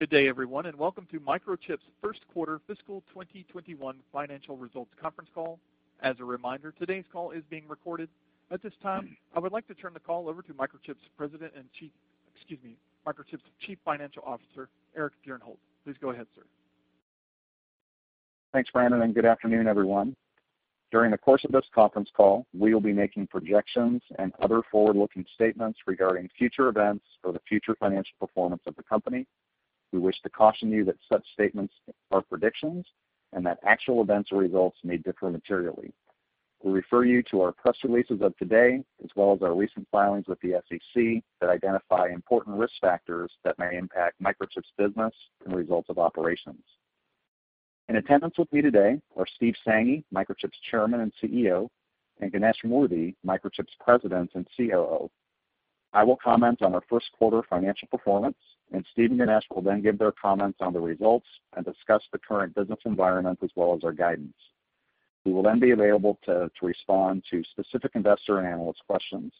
Good day, everyone, and welcome to Microchip's first quarter fiscal 2021 financial results conference call. As a reminder, today's call is being recorded. At this time, I would like to turn the call over to Microchip's President and Chief, excuse me, Microchip's Chief Financial Officer, Eric Bjornholt. Please go ahead, sir. Thanks, Brandon. Good afternoon, everyone. During the course of this conference call, we will be making projections and other forward-looking statements regarding future events or the future financial performance of the company. We wish to caution you that such statements are predictions and that actual events or results may differ materially. We refer you to our press releases of today, as well as our recent filings with the SEC that identify important risk factors that may impact Microchip's business and results of operations. In attendance with me today are Steve Sanghi, Microchip's Chairman and CEO, and Ganesh Moorthy, Microchip's President and COO. I will comment on our first quarter financial performance, and Steve and Ganesh will then give their comments on the results and discuss the current business environment as well as our guidance. We will then be available to respond to specific investor and analyst questions.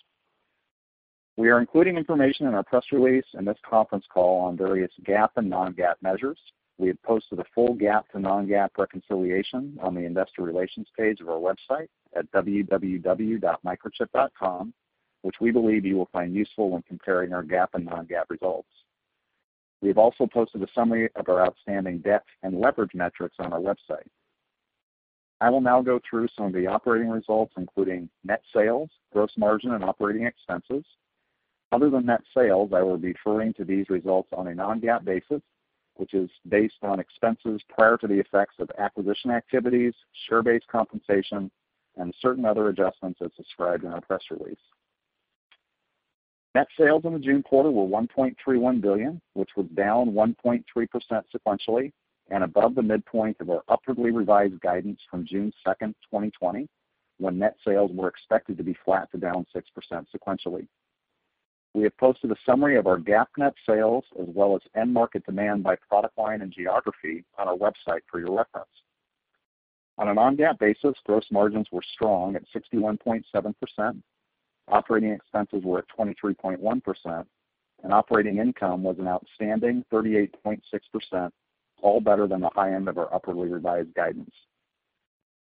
We are including information in our press release and this conference call on various GAAP and non-GAAP measures. We have posted a full GAAP to non-GAAP reconciliation on the investor relations page of our website at www.microchip.com, which we believe you will find useful when comparing our GAAP and non-GAAP results. We have also posted a summary of our outstanding debt and leverage metrics on our website. I will now go through some of the operating results, including net sales, gross margin, and operating expenses. Other than net sales, I will be referring to these results on a non-GAAP basis, which is based on expenses prior to the effects of acquisition activities, share-based compensation, and certain other adjustments as described in our press release. Net sales in the June quarter were $1.31 billion, which was down 1.3% sequentially and above the midpoint of our upwardly revised guidance from June 2nd, 2020, when net sales were expected to be flat to down 6% sequentially. We have posted a summary of our GAAP net sales as well as end market demand by product line and geography on our website for your reference. On a non-GAAP basis, gross margins were strong at 61.7%. Operating expenses were at 23.1%, and operating income was an outstanding 38.6%, all better than the high end of our upwardly revised guidance.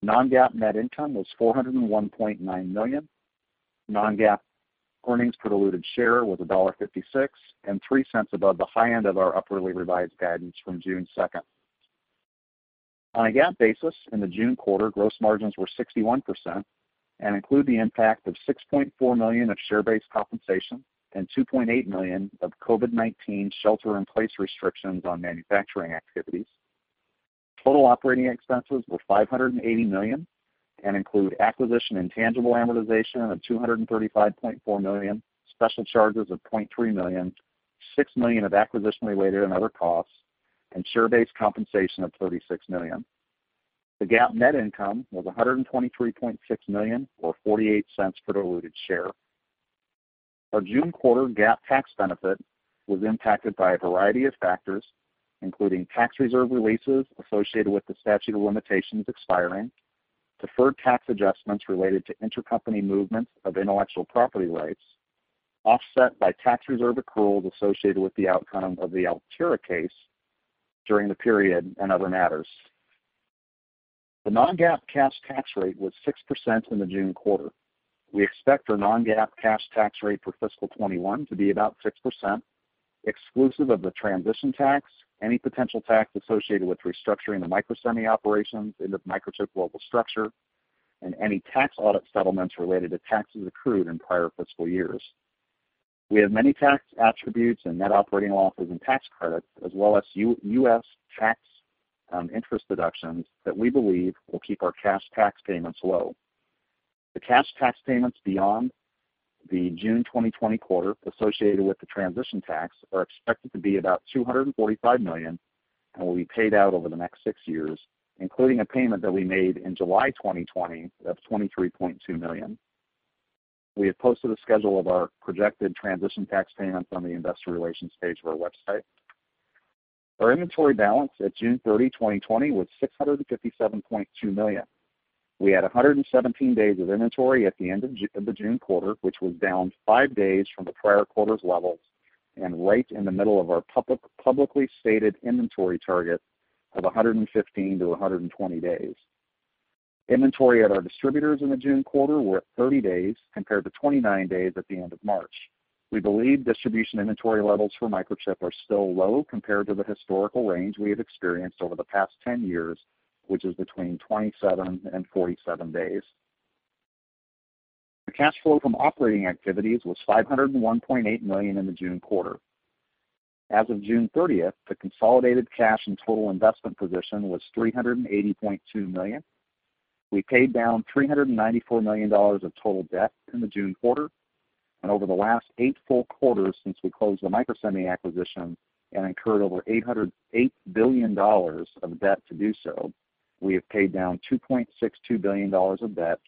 Non-GAAP net income was $401.9 million. Non-GAAP earnings per diluted share was $1.56, and $0.03 above the high end of our upwardly revised guidance from June 2nd. On a GAAP basis, in the June quarter, gross margins were 61% and include the impact of $6.4 million of share-based compensation and $2.8 million of COVID-19 shelter in place restrictions on manufacturing activities. Total operating expenses were $580 million and include acquisition intangible amortization of $235.4 million, special charges of $0.3 million, $6 million of acquisition-related and other costs, and share-based compensation of $36 million. The GAAP net income was $123.6 million or $0.48 per diluted share. Our June quarter GAAP tax benefit was impacted by a variety of factors, including tax reserve releases associated with the statute of limitations expiring, deferred tax adjustments related to intercompany movements of intellectual property rights, offset by tax reserve accruals associated with the outcome of the Altera case during the period and other matters. The non-GAAP cash tax rate was 6% in the June quarter. We expect our non-GAAP cash tax rate for fiscal 2021 to be about 6%, exclusive of the transition tax, any potential tax associated with restructuring the Microsemi operations into Microchip global structure, and any tax audit settlements related to taxes accrued in prior fiscal years. We have many tax attributes and net operating losses and tax credits, as well as U.S. tax on interest deductions that we believe will keep our cash tax payments low. The cash tax payments beyond the June 2020 quarter associated with the transition tax are expected to be about $245 million and will be paid out over the next six years, including a payment that we made in July 2020 of $23.2 million. We have posted a schedule of our projected transition tax payments on the investor relations page of our website. Our inventory balance at June 30, 2020 was $657.2 million. We had 117 days of inventory at the end of the June quarter, which was down five days from the prior quarter's levels and right in the middle of our publicly stated inventory target of 115-120 days. Inventory at our distributors in the June quarter were at 30 days compared to 29 days at the end of March. We believe distribution inventory levels for Microchip are still low compared to the historical range we have experienced over the past 10 years, which is between 27 and 47 days. The cash flow from operating activities was $501.8 million in the June quarter. As of June 30th, the consolidated cash and total investment position was $380.2 million. We paid down $394 million of total debt in the June quarter. Over the last eight full quarters since we closed the Microsemi acquisition and incurred over $8 billion of debt to do so, we have paid down $2.62 billion of debt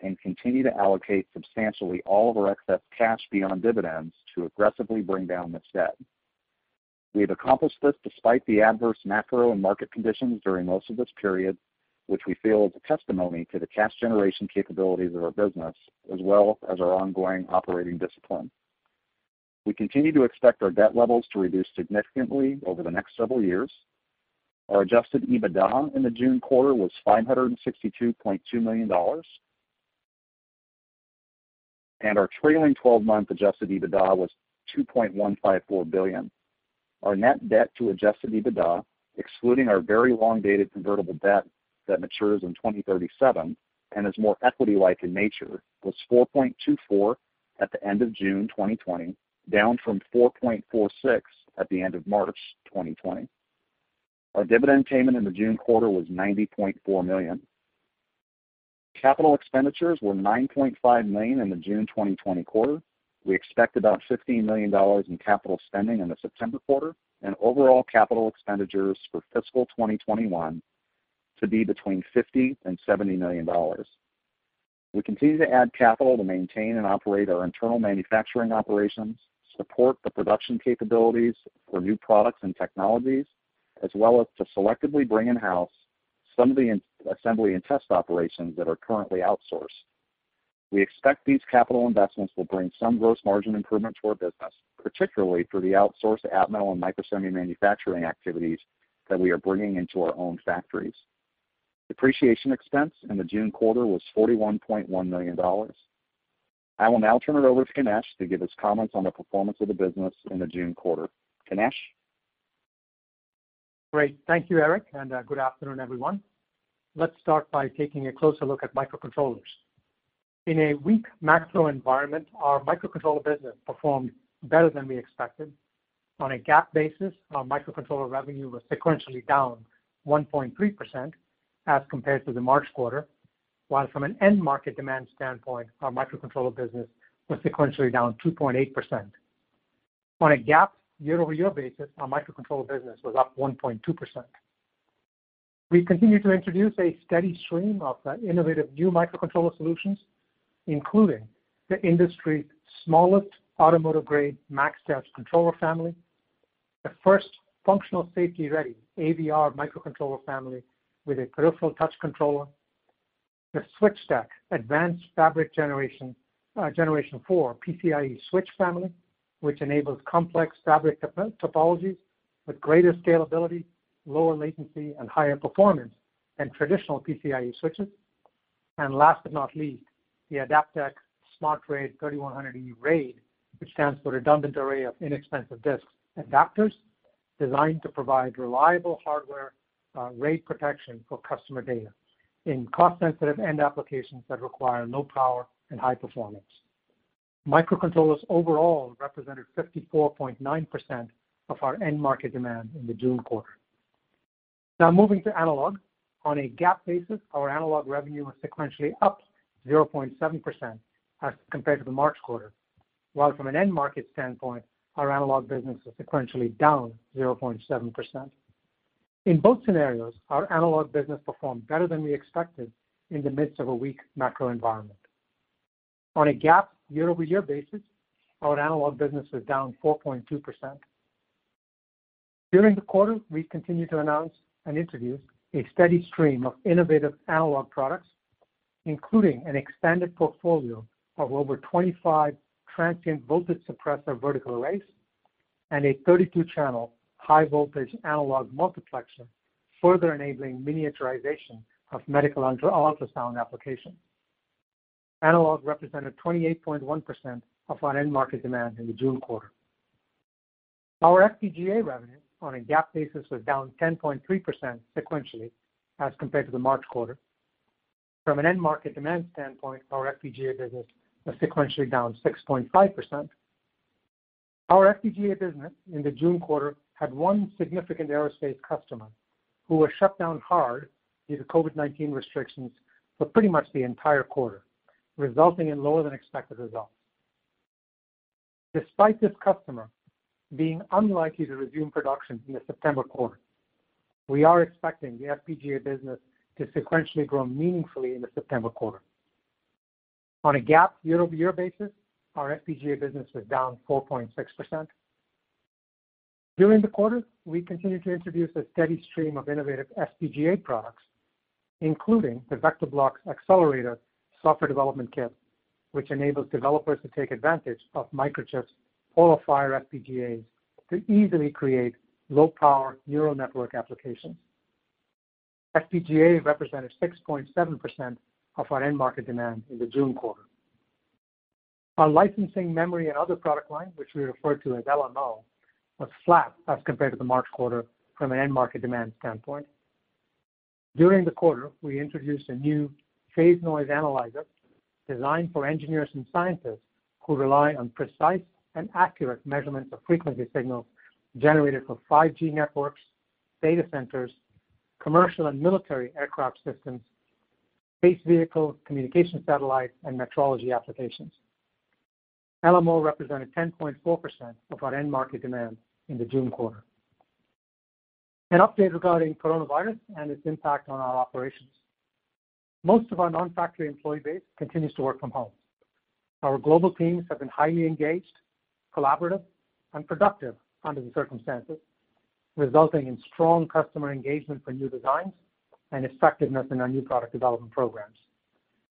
and continue to allocate substantially all of our excess cash beyond dividends to aggressively bring down this debt. We have accomplished this despite the adverse macro and market conditions during most of this period, which we feel is a testimony to the cash generation capabilities of our business, as well as our ongoing operating discipline. We continue to expect our debt levels to reduce significantly over the next several years. Our adjusted EBITDA in the June quarter was $562.2 million, and our trailing 12-month adjusted EBITDA was $2.154 billion. Our net debt to adjusted EBITDA, excluding our very long-dated convertible debt that matures in 2037 and is more equity-like in nature, was 4.24x at the end of June 2020, down from 4.46x at the end of March 2020. Our dividend payment in the June quarter was $90.4 million. Capital expenditures were $9.5 million in the June 2020 quarter. We expect about $15 million in capital spending in the September quarter, and overall capital expenditures for fiscal 2021 to be between $50 and $70 million. We continue to add capital to maintain and operate our internal manufacturing operations, support the production capabilities for new products and technologies, as well as to selectively bring in-house some of the assembly and test operations that are currently outsourced. We expect these capital investments will bring some gross margin improvement to our business, particularly for the outsourced Atmel and Microsemi manufacturing activities that we are bringing into our own factories. Depreciation expense in the June quarter was $41.1 million. I will now turn it over to Ganesh to give his comments on the performance of the business in the June quarter. Ganesh? Great. Thank you, Eric, and good afternoon, everyone. Let's start by taking a closer look at microcontrollers. In a weak macro environment, our microcontroller business performed better than we expected. On a GAAP basis, our microcontroller revenue was sequentially down 1.3% as compared to the March quarter, while from an end market demand standpoint, our microcontroller business was sequentially down 2.8%. On a GAAP year-over-year basis, our microcontroller business was up 1.2%. We continue to introduce a steady stream of innovative new microcontroller solutions, including the industry's smallest automotive-grade maXTouch controller family, the first functional safety-ready AVR microcontroller family with a peripheral touch controller, the Switchtec Advanced Fabric Gen 4 PCIe switch family, which enables complex fabric topologies with greater scalability, lower latency, and higher performance than traditional PCIe switches. Last but not least, the Adaptec SmartRAID 3100E RAID, which stands for Redundant Array of Inexpensive Disks adapters, designed to provide reliable hardware RAID protection for customer data in cost-sensitive end applications that require low power and high performance. Microcontrollers overall represented 54.9% of our end market demand in the June quarter. Now moving to analog. On a GAAP basis, our analog revenue was sequentially up 0.7% as compared to the March quarter, while from an end market standpoint, our analog business was sequentially down 0.7%. In both scenarios, our analog business performed better than we expected in the midst of a weak macro environment. On a GAAP year-over-year basis, our analog business was down 4.2%. During the quarter, we continued to announce and introduce a steady stream of innovative analog products, including an expanded portfolio of over 25 transient voltage suppressor vertical arrays and a 32-channel high-voltage analog multiplexer, further enabling miniaturization of medical ultrasound applications. Analog represented 28.1% of our end market demand in the June quarter. Our FPGA revenue on a GAAP basis was down 10.3% sequentially as compared to the March quarter. From an end market demand standpoint, our FPGA business was sequentially down 6.5%. Our FPGA business in the June quarter had one significant aerospace customer who was shut down hard due to COVID-19 restrictions for pretty much the entire quarter, resulting in lower-than-expected results. Despite this customer being unlikely to resume production in the September quarter, we are expecting the FPGA business to sequentially grow meaningfully in the September quarter. On a GAAP year-over-year basis, our FPGA business was down 4.6%. During the quarter, we continued to introduce a steady stream of innovative FPGA products, including the VectorBlox Accelerator Software Development Kit, which enables developers to take advantage of Microchip's PolarFire FPGAs to easily create low-power neural network applications. FPGA represented 6.7% of our end market demand in the June quarter. Our licensing, memory, and other product line, which we refer to as LMO, was flat as compared to the March quarter from an end market demand standpoint. During the quarter, we introduced a new phase noise analyzer designed for engineers and scientists who rely on precise and accurate measurements of frequency signals generated for 5G networks, data centers, commercial and military aircraft systems, space vehicle communication satellite, and metrology applications. LMO represented 10.4% of our end market demand in the June quarter. An update regarding coronavirus and its impact on our operations. Most of our non-factory employee base continues to work from home. Our global teams have been highly engaged, collaborative, and productive under the circumstances, resulting in strong customer engagement for new designs and effectiveness in our new product development programs.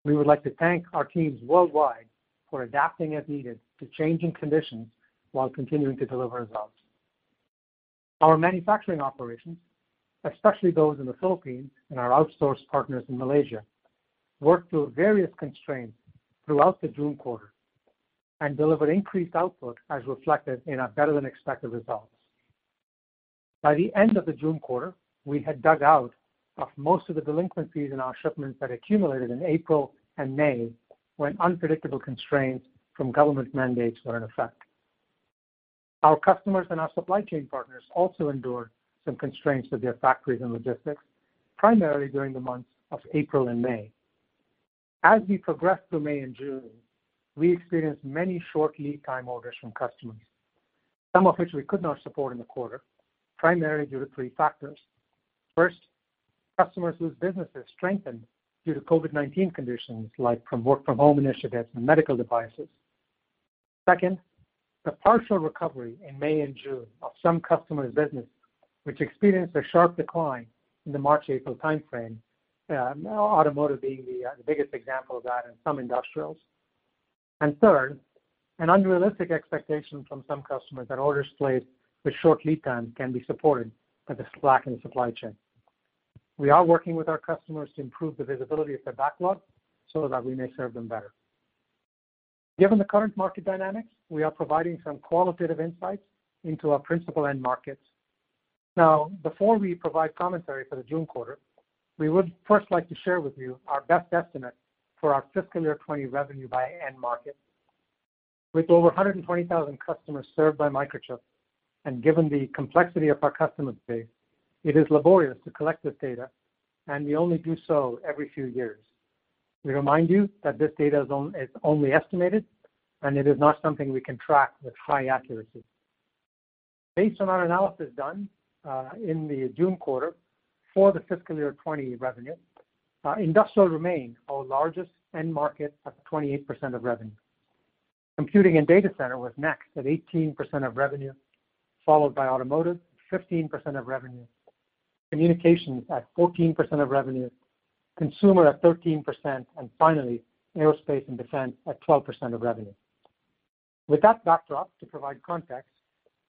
We would like to thank our teams worldwide for adapting as needed to changing conditions while continuing to deliver results. Our manufacturing operations, especially those in the Philippines and our outsource partners in Malaysia, worked through various constraints throughout the June quarter and delivered increased output, as reflected in our better-than-expected results. By the end of the June quarter, we had dug out of most of the delinquencies in our shipments that accumulated in April and May, when unpredictable constraints from government mandates were in effect. Our customers and our supply chain partners also endured some constraints with their factories and logistics, primarily during the months of April and May. As we progressed through May and June, we experienced many short lead time orders from customers, some of which we could not support in the quarter, primarily due to three factors. First, customers whose businesses strengthened due to COVID-19 conditions, like from work-from-home initiatives and medical devices. Second, the partial recovery in May and June of some customers' business, which experienced a sharp decline in the March-April timeframe, automotive being the biggest example of that, and some industrials. Third, an unrealistic expectation from some customers that orders placed with short lead time can be supported by the slack in the supply chain. We are working with our customers to improve the visibility of their backlog so that we may serve them better. Given the current market dynamics, we are providing some qualitative insights into our principal end markets. Before we provide commentary for the June quarter, we would first like to share with you our best estimate for our fiscal year 2020 revenue by end market. With over 120,000 customers served by Microchip, and given the complexity of our customer base, it is laborious to collect this data, and we only do so every few years. We remind you that this data is only estimated, and it is not something we can track with high accuracy. Based on our analysis done in the June quarter for the fiscal year 2020 revenue, industrial remains our largest end market at 28% of revenue. Computing and data center was next at 18% of revenue, followed by automotive, 15% of revenue, communications at 14% of revenue, consumer at 13%, and finally, aerospace and defense at 12% of revenue. With that backdrop to provide context,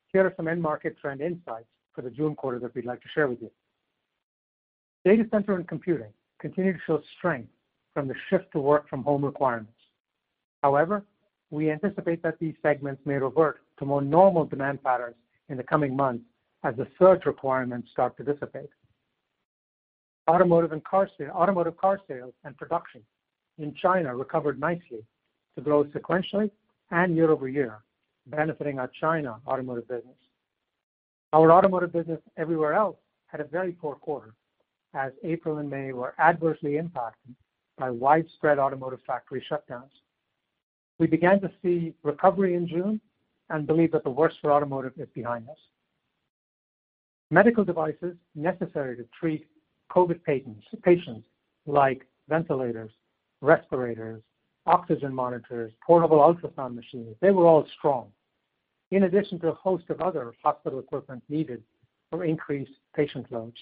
here are some end market trend insights for the June quarter that we'd like to share with you. Data center and computing continue to show strength from the shift to work-from-home requirements. However, we anticipate that these segments may revert to more normal demand patterns in the coming months as the surge requirements start to dissipate. Automotive car sales and production in China recovered nicely to grow sequentially and year-over-year, benefiting our China automotive business. Our automotive business everywhere else had a very poor quarter, as April and May were adversely impacted by widespread automotive factory shutdowns. We began to see recovery in June and believe that the worst for automotive is behind us. Medical devices necessary to treat COVID patients, like ventilators, respirators, oxygen monitors, portable ultrasound machines, they were all strong, in addition to a host of other hospital equipment needed for increased patient loads.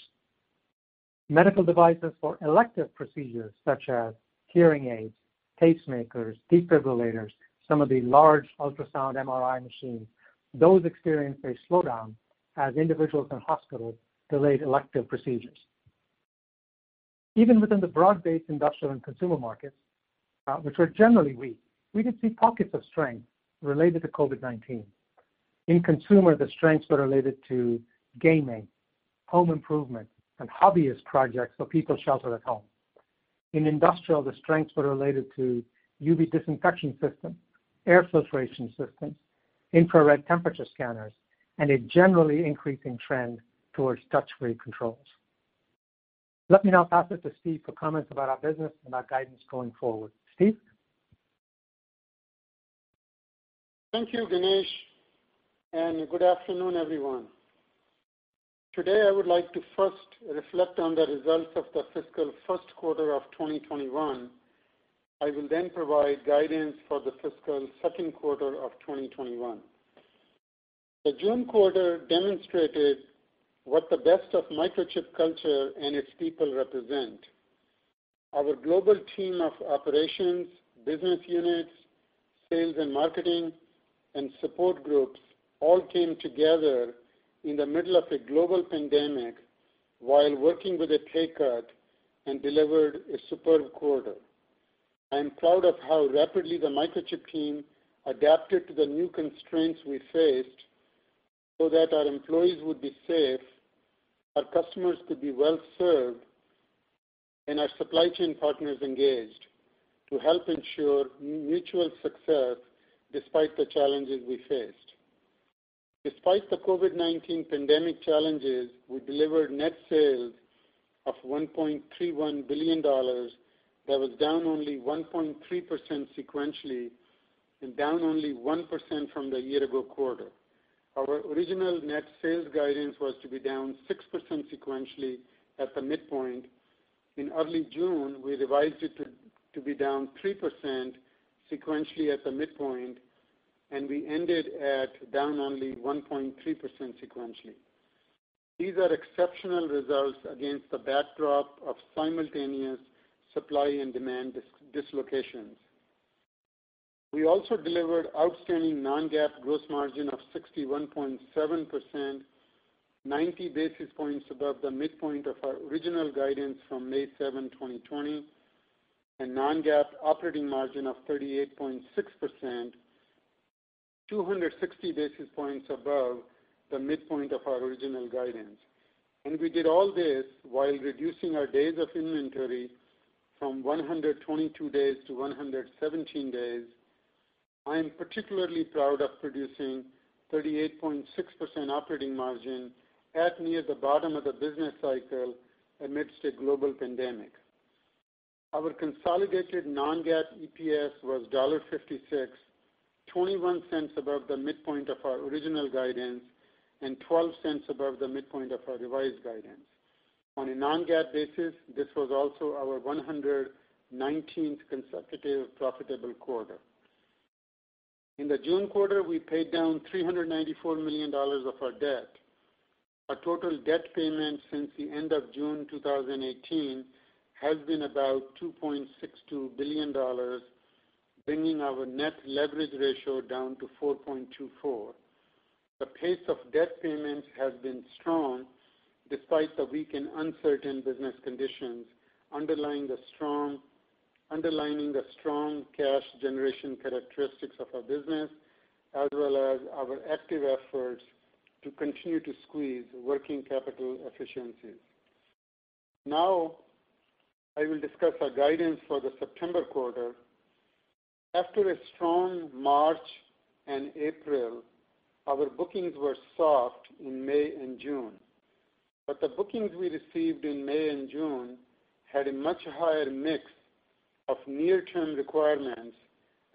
Medical devices for elective procedures such as hearing aids, pacemakers, defibrillators, some of the large ultrasound MRI machines, those experienced a slowdown as individuals and hospitals delayed elective procedures. Even within the broad-based industrial and consumer markets, which were generally weak, we did see pockets of strength related to COVID-19. In consumer, the strengths were related to gaming, home improvement, and hobbyist projects for people sheltered at home. In industrial, the strengths were related to UV disinfection systems, air filtration systems, infrared temperature scanners, and a generally increasing trend towards touch-free controls. Let me now pass it to Steve for comments about our business and our guidance going forward. Steve? Thank you, Ganesh. Good afternoon, everyone. Today, I would like to first reflect on the results of the fiscal first quarter of 2021. I will provide guidance for the fiscal second quarter of 2021. The June quarter demonstrated what the best of Microchip culture and its people represent. Our global team of operations, business units, sales and marketing, and support groups all came together in the middle of a global pandemic while working with a pay cut and delivered a superb quarter. I am proud of how rapidly the Microchip team adapted to the new constraints we faced so that our employees would be safe, our customers could be well served, and our supply chain partners engaged to help ensure mutual success despite the challenges we faced. Despite the COVID-19 pandemic challenges, we delivered net sales of $1.31 billion. That was down only 1.3% sequentially and down only 1% from the year-ago quarter. Our original net sales guidance was to be down 6% sequentially at the midpoint. In early June, we revised it to be down 3% sequentially at the midpoint, and we ended at down only 1.3% sequentially. These are exceptional results against the backdrop of simultaneous supply and demand dislocations. We also delivered outstanding non-GAAP gross margin of 61.7%, 90 basis points above the midpoint of our original guidance from May 7, 2020, and non-GAAP operating margin of 38.6%, 260 basis points above the midpoint of our original guidance. We did all this while reducing our days of inventory from 122 days to 117 days. I am particularly proud of producing 38.6% operating margin at near the bottom of the business cycle amidst a global pandemic. Our consolidated non-GAAP EPS was $1.56, $0.21 above the midpoint of our original guidance, and $0.12 above the midpoint of our revised guidance. On a non-GAAP basis, this was also our 119th consecutive profitable quarter. In the June quarter, we paid down $394 million of our debt. Our total debt payment since the end of June 2018 has been about $2.62 billion, bringing our net leverage ratio down to 4.24x. The pace of debt payments has been strong despite the weak and uncertain business conditions, underlining the strong cash generation characteristics of our business, as well as our active efforts to continue to squeeze working capital efficiencies. I will discuss our guidance for the September quarter. After a strong March and April, our bookings were soft in May and June. The bookings we received in May and June had a much higher mix of near-term requirements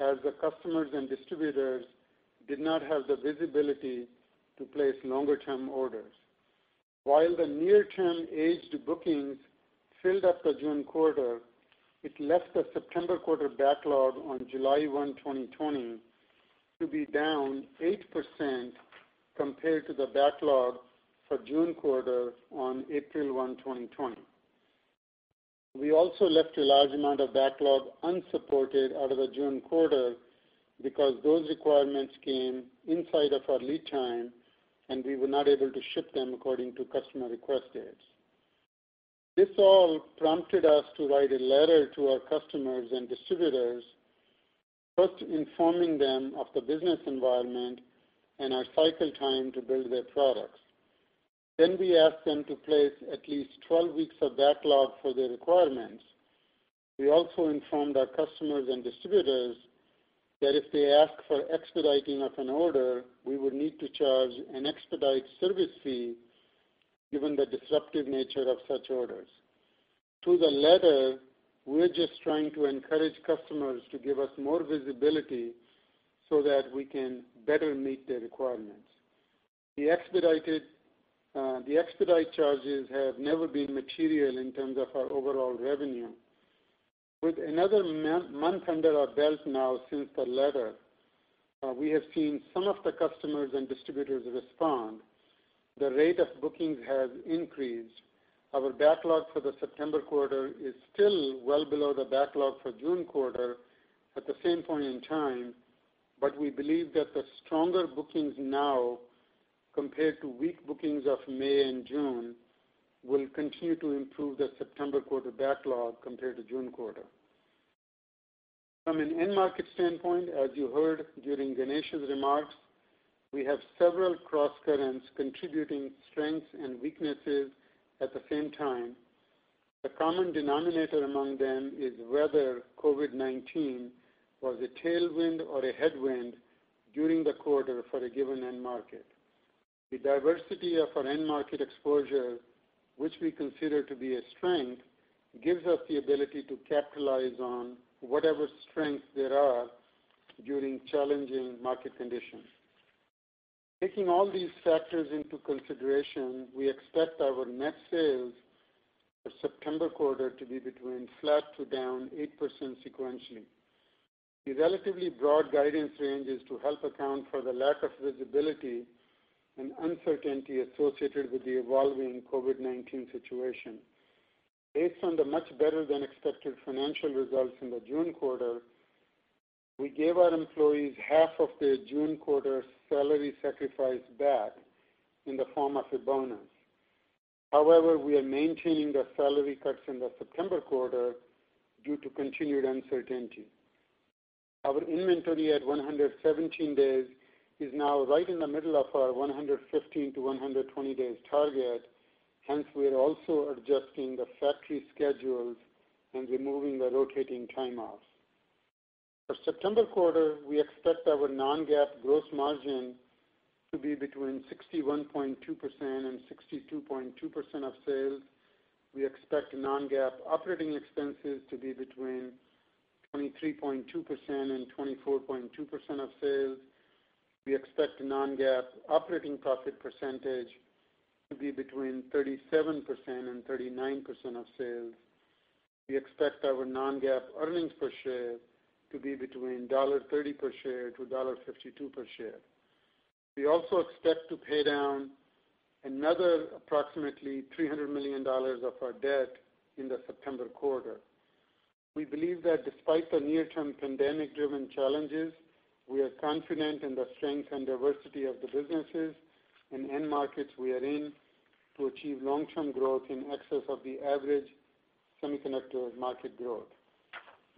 as the customers and distributors did not have the visibility to place longer-term orders. While the near-term aged bookings filled up the June quarter, it left the September quarter backlog on July 1, 2020, to be down 8% compared to the backlog for June quarter on April 1, 2020. We also left a large amount of backlog unsupported out of the June quarter, because those requirements came inside of our lead time, and we were not able to ship them according to customer request dates. This all prompted us to write a letter to our customers and distributors, first informing them of the business environment and our cycle time to build their products. We asked them to place at least 12 weeks of backlog for their requirements. We also informed our customers and distributors that if they ask for expediting of an order, we would need to charge an expedite service fee given the disruptive nature of such orders. Through the letter, we're just trying to encourage customers to give us more visibility so that we can better meet their requirements. The expedite charges have never been material in terms of our overall revenue. With another month under our belt now since the letter, we have seen some of the customers and distributors respond. The rate of bookings has increased. Our backlog for the September quarter is still well below the backlog for June quarter at the same point in time, but we believe that the stronger bookings now compared to weak bookings of May and June, will continue to improve the September quarter backlog compared to June quarter. From an end market standpoint, as you heard during Ganesh's remarks, we have several crosscurrents contributing strengths and weaknesses at the same time. The common denominator among them is whether COVID-19 was a tailwind or a headwind during the quarter for a given end market. The diversity of our end market exposure, which we consider to be a strength, gives us the ability to capitalize on whatever strengths there are during challenging market conditions. Taking all these factors into consideration, we expect our net sales for September quarter to be between flat to down 8% sequentially. The relatively broad guidance range is to help account for the lack of visibility and uncertainty associated with the evolving COVID-19 situation. Based on the much better-than-expected financial results in the June quarter, we gave our employees half of their June quarter salary sacrifice back in the form of a bonus. However, we are maintaining the salary cuts in the September quarter due to continued uncertainty. Our inventory at 117 days is now right in the middle of our 115-120 days target. Hence, we are also adjusting the factory schedules and removing the rotating time offs. For September quarter, we expect our non-GAAP gross margin to be between 61.2% and 62.2% of sales. We expect non-GAAP operating expenses to be between 23.2% and 24.2% of sales. We expect non-GAAP operating profit percentage to be between 37% and 39% of sales. We expect our non-GAAP earnings per share to be between $1.30 per share to $1.52 per share. We also expect to pay down another approximately $300 million of our debt in the September quarter. We believe that despite the near-term pandemic-driven challenges, we are confident in the strength and diversity of the businesses and end markets we are in to achieve long-term growth in excess of the average semiconductor market growth.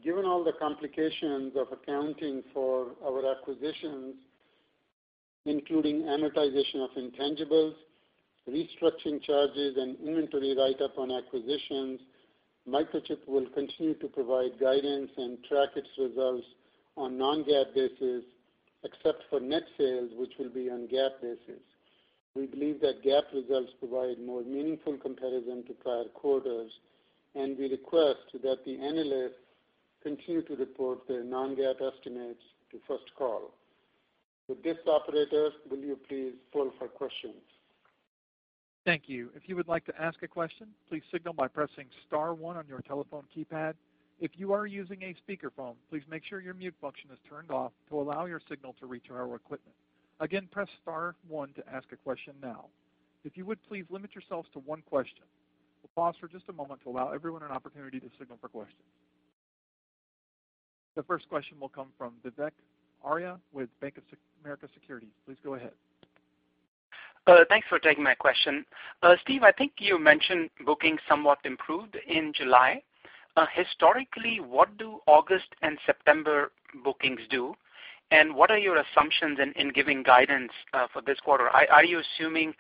Given all the complications of accounting for our acquisitions, including amortization of intangibles, restructuring charges, and inventory write-up on acquisitions, Microchip will continue to provide guidance and track its results on non-GAAP basis, except for net sales, which will be on GAAP basis. We believe that GAAP results provide more meaningful comparison to prior quarters. We request that the analysts continue to report their non-GAAP estimates to First Call. With this, operator, will you please poll for questions? Thank you. If you would like to ask a question, please signal by pressing star one on your telephone keypad. If you are using a speakerphone, please make sure your mute button is turned off to allow your signal to return to our equipment. Again, press star one to ask a question now. If you would please limit yourself to one question. We will pause for just a moment to allow everyone an opportunity to signal for questions. The first question will come from Vivek Arya with Bank of America Securities. Please go ahead. Thanks for taking my question. Steve, I think you mentioned bookings somewhat improved in July. Historically, what do August and September bookings do, and what are your assumptions in giving guidance for this quarter? Are you assuming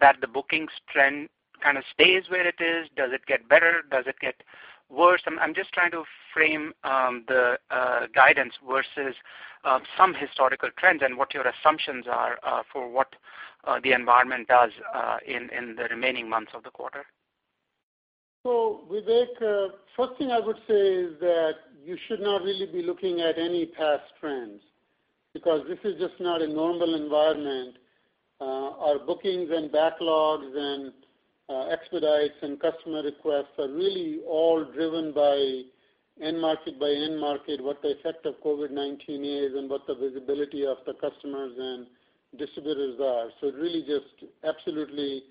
that the bookings trend kind of stays where it is? Does it get better? Does it get worse? I'm just trying to frame the guidance versus some historical trends and what your assumptions are for what the environment does in the remaining months of the quarter. Vivek, first thing I would say is that you should not really be looking at any past trends, because this is just not a normal environment. Our bookings and backlogs and expedites and customer requests are really all driven by end market by end market, what the effect of COVID-19 is, and what the visibility of the customers and distributors are. It really just absolutely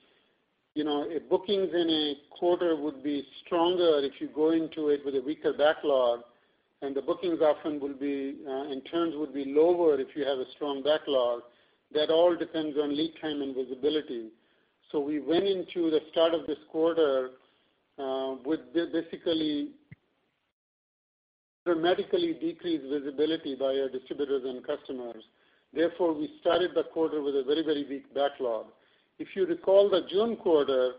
bookings in a quarter would be stronger if you go into it with a weaker backlog, and the bookings often will be, in turns, would be lower if you have a strong backlog. That all depends on lead time and visibility. We went into the start of this quarter with basically dramatically decreased visibility by our distributors and customers. Therefore, we started the quarter with a very weak backlog. If you recall the June quarter,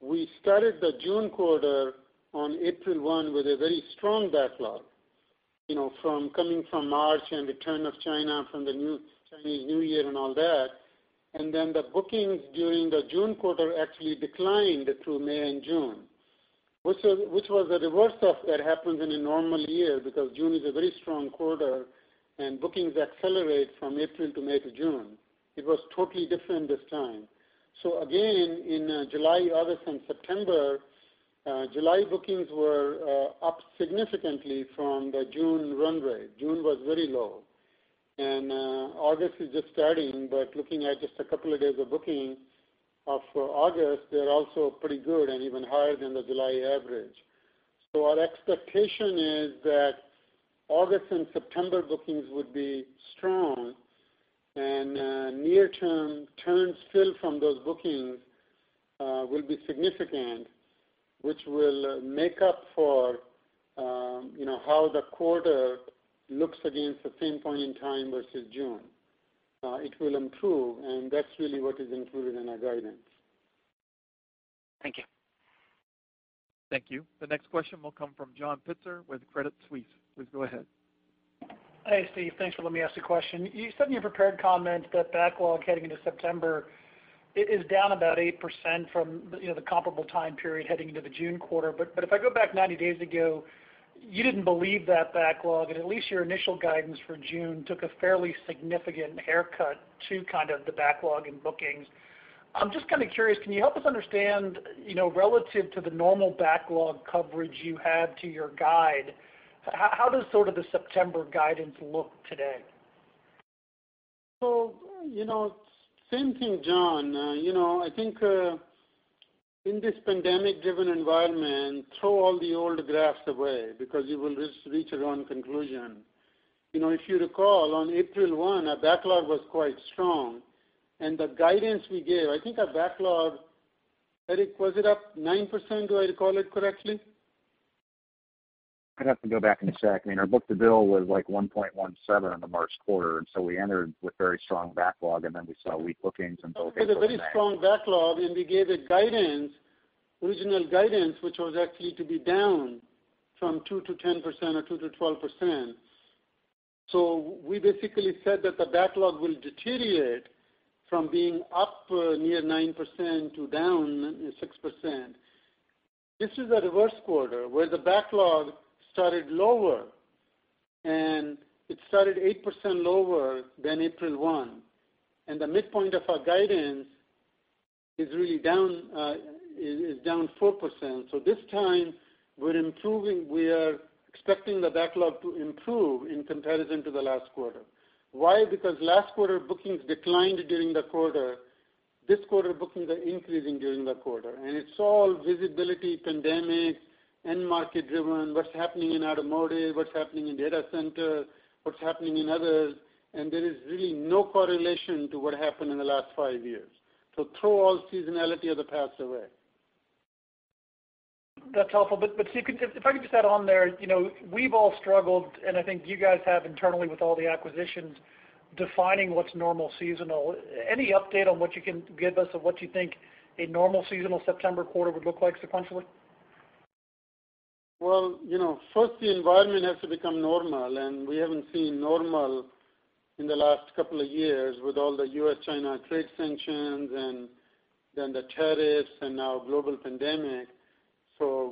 we started the June quarter on April 1 with a very strong backlog, coming from March and return of China from the Chinese New Year and all that. The bookings during the June quarter actually declined through May and June, which was a reverse of what happens in a normal year, because June is a very strong quarter and bookings accelerate from April to May to June. It was totally different this time. In July, August, and September, July bookings were up significantly from the June run rate. June was very low. August is just starting but looking at just a couple of days of bookings for August, they're also pretty good and even higher than the July average. Our expectation is that August and September bookings would be strong, and near-term turns still from those bookings will be significant, which will make up for how the quarter looks against the same point in time versus June. It will improve, and that's really what is included in our guidance. Thank you. Thank you. The next question will come from John Pitzer with Credit Suisse. Please go ahead. Hey, Steve. Thanks for letting me ask a question. You said in your prepared comment that backlog heading into September is down about 8% from the comparable time period heading into the June quarter. If I go back 90 days ago, you didn't believe that backlog, and at least your initial guidance for June took a fairly significant haircut to kind of the backlog in bookings. I'm just kind of curious, can you help us understand, relative to the normal backlog coverage you had to your guide, how does sort of the September guidance look today? Same thing, John. I think in this pandemic-driven environment, throw all the old graphs away because you will just reach the wrong conclusion. If you recall, on April 1, our backlog was quite strong, and the guidance we gave, I think our backlog, Eric, was it up 9%? Do I recall it correctly? I'd have to go back and check. Our book-to-bill was like 1.17 on the March quarter. We entered with very strong backlog, and then we saw weak bookings until April and May. We had a very strong backlog. We gave a guidance, original guidance, which was actually to be down from 2%-10% or 2%-12%. We basically said that the backlog will deteriorate from being up near 9% to down 6%. This is a reverse quarter where the backlog started lower. It started 8% lower than April 1. The midpoint of our guidance is down 4%. This time, we are expecting the backlog to improve in comparison to the last quarter. Why? Because last quarter, bookings declined during the quarter. This quarter, bookings are increasing during the quarter. It's all visibility, pandemic, end market-driven, what's happening in automotive, what's happening in data center, what's happening in others, and there is really no correlation to what happened in the last five years. Throw all seasonality of the past away. That's helpful. If I could just add on there, we've all struggled, and I think you guys have internally with all the acquisitions, defining what's normal seasonal. Any update on what you can give us of what you think a normal seasonal September quarter would look like sequentially? First, the environment has to become normal, and we haven't seen normal in the last couple of years with all the U.S.-China trade sanctions and then the tariffs and now global pandemic.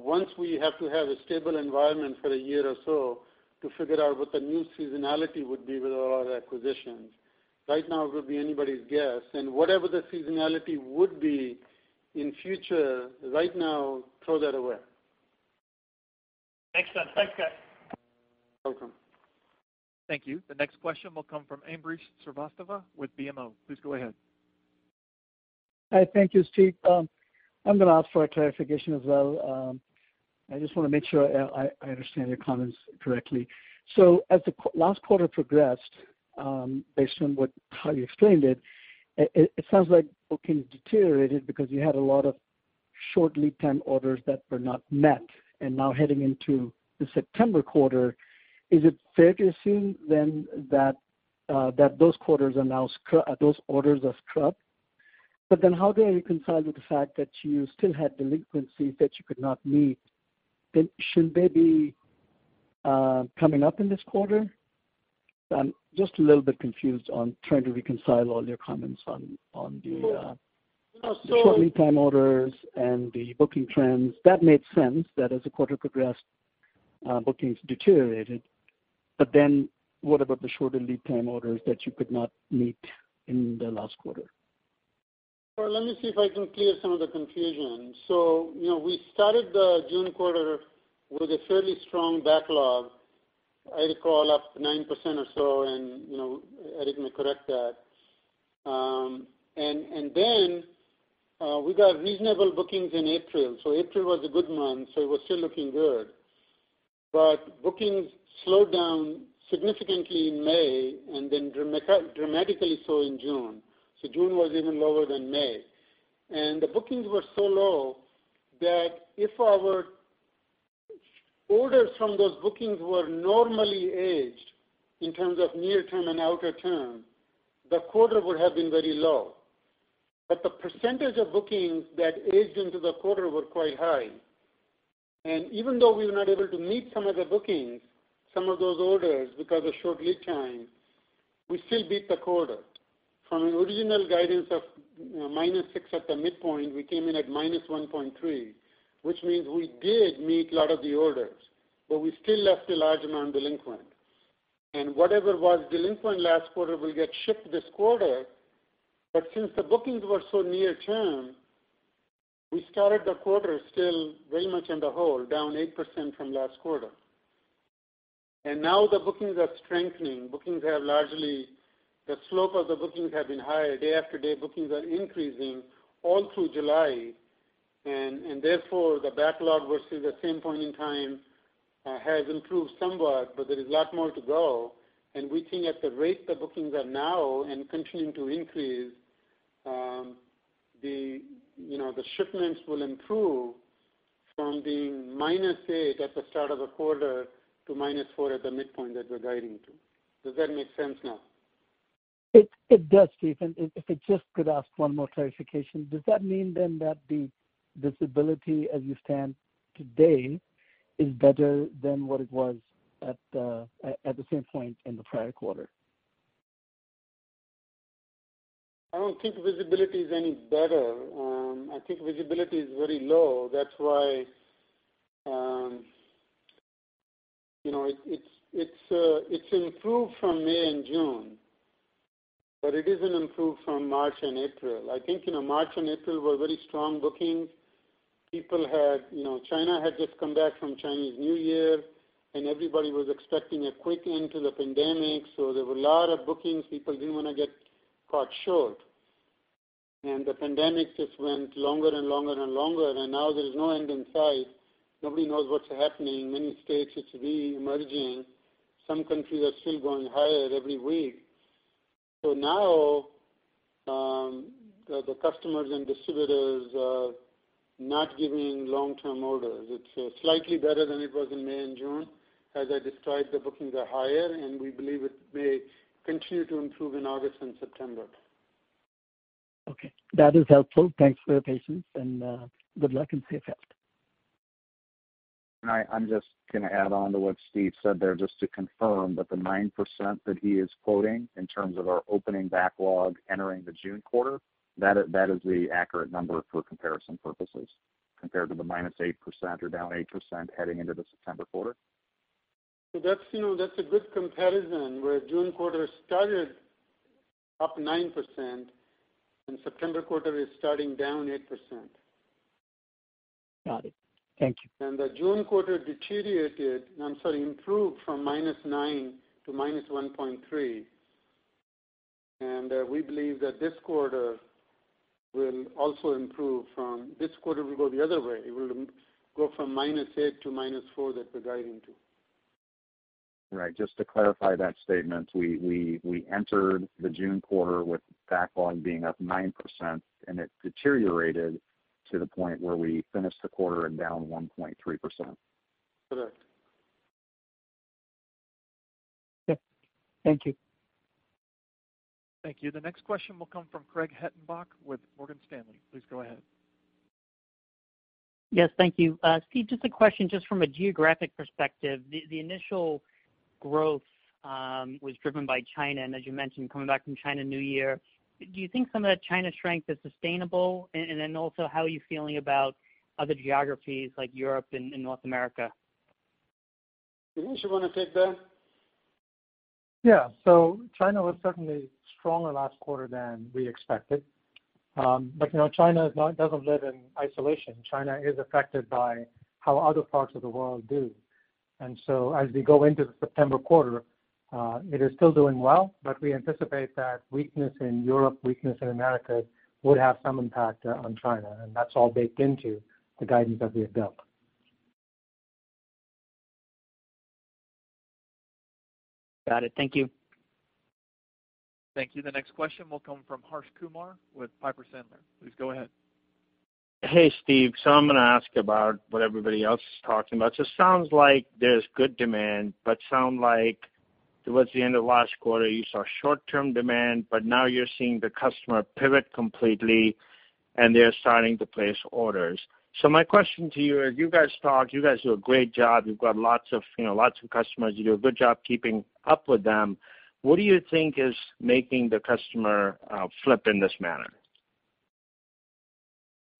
Once we have to have a stable environment for a year or so to figure out what the new seasonality would be with all our acquisitions. Right now, it would be anybody's guess. Whatever the seasonality would be in future, right now, throw that away. Makes sense. Thanks, guys. Welcome. Thank you. The next question will come from Ambrish Srivastava with BMO. Please go ahead. Hi. Thank you, Steve. I'm going to ask for a clarification as well. I just want to make sure I understand your comments correctly. As the last quarter progressed, based on how you explained it sounds like booking deteriorated because you had a lot of short lead time orders that were not met. Now heading into the September quarter, is it fair to assume then that those orders are scrubbed? How do I reconcile with the fact that you still had delinquencies that you could not meet? Should they be coming up in this quarter? I'm just a little bit confused on trying to reconcile all your comments on the- So- short lead time orders and the booking trends. That made sense, that as the quarter progressed, bookings deteriorated. What about the shorter lead time orders that you could not meet in the last quarter? Well, let me see if I can clear some of the confusion. We started the June quarter with a fairly strong backlog, I recall up 9% or so, and Eric may correct that. We got reasonable bookings in April. April was a good month, it was still looking good. Bookings slowed down significantly in May and then dramatically so in June. June was even lower than May. The bookings were so low that if our orders from those bookings were normally aged, in terms of near-term and outer-term, the quarter would have been very low. The percentage of bookings that aged into the quarter were quite high. Even though we were not able to meet some of the bookings, some of those orders because of short lead time, we still beat the quarter. From an original guidance of -6% at the midpoint, we came in at -1.3%, which means we did meet a lot of the orders, but we still left a large amount delinquent. Whatever was delinquent last quarter will get shipped this quarter. Since the bookings were so near term, we started the quarter still very much in the hole, down 8% from last quarter. Now the bookings are strengthening. The slope of the bookings have been higher. Day after day, bookings are increasing all through July, and therefore the backlog versus the same point in time has improved somewhat, but there is a lot more to go. We think at the rate the bookings are now and continuing to increase, the shipments will improve from being -8% at the start of the quarter to -4% at the midpoint that we're guiding to. Does that make sense now? It does, Steve. If I just could ask one more clarification. Does that mean then that the visibility as you stand today is better than what it was at the same point in the prior quarter? I don't think visibility is any better. I think visibility is very low. It's improved from May and June, but it isn't improved from March and April. I think March and April were very strong bookings. China had just come back from Chinese New Year, and everybody was expecting a quick end to the pandemic, so there were a lot of bookings. People didn't want to get caught short. The pandemic just went longer and longer and longer, and now there's no end in sight. Nobody knows what's happening. Many states it's reemerging. Some countries are still going higher every week. Now, the customers and distributors are not giving long-term orders. It's slightly better than it was in May and June. As I described, the bookings are higher, and we believe it may continue to improve in August and September. Okay. That is helpful. Thanks for the patience, and good luck and safe health. I'm just going to add on to what Steve said there, just to confirm that the 9% that he is quoting in terms of our opening backlog entering the June quarter, that is the accurate number for comparison purposes compared to the -8% or down 8% heading into the September quarter. That's a good comparison, where June quarter started up 9% and September quarter is starting down 8%. Got it. Thank you. The June quarter deteriorated, I'm sorry, improved from -9% to -1.3%. This quarter will go the other way. It will go from -8% to -4% that we're guiding to. Right. Just to clarify that statement, we entered the June quarter with backlog being up 9%, and it deteriorated to the point where we finished the quarter and down 1.3%. Correct. Okay. Thank you. Thank you. The next question will come from Craig Hettenbach with Morgan Stanley. Please go ahead. Yes, thank you. Steve, just a question just from a geographic perspective. The initial growth, was driven by China, and as you mentioned, coming back from Chinese New Year. Do you think some of that China strength is sustainable? Then also, how are you feeling about other geographies like Europe and North America? Ganesh, you want to take that? Yeah. China was certainly stronger last quarter than we expected. China doesn't live in isolation. China is affected by how other parts of the world do. As we go into the September quarter, it is still doing well, but we anticipate that weakness in Europe, weakness in America, would have some impact on China, and that's all baked into the guidance that we have built. Got it. Thank you. Thank you. The next question will come from Harsh Kumar with Piper Sandler. Please go ahead. Hey, Steve. I'm going to ask about what everybody else is talking about. It sounds like there's good demand, but sound like towards the end of last quarter, you saw short-term demand, but now you're seeing the customer pivot completely and they're starting to place orders. My question to you, you guys do a great job. You've got lots of customers. You do a good job keeping up with them. What do you think is making the customer flip in this manner?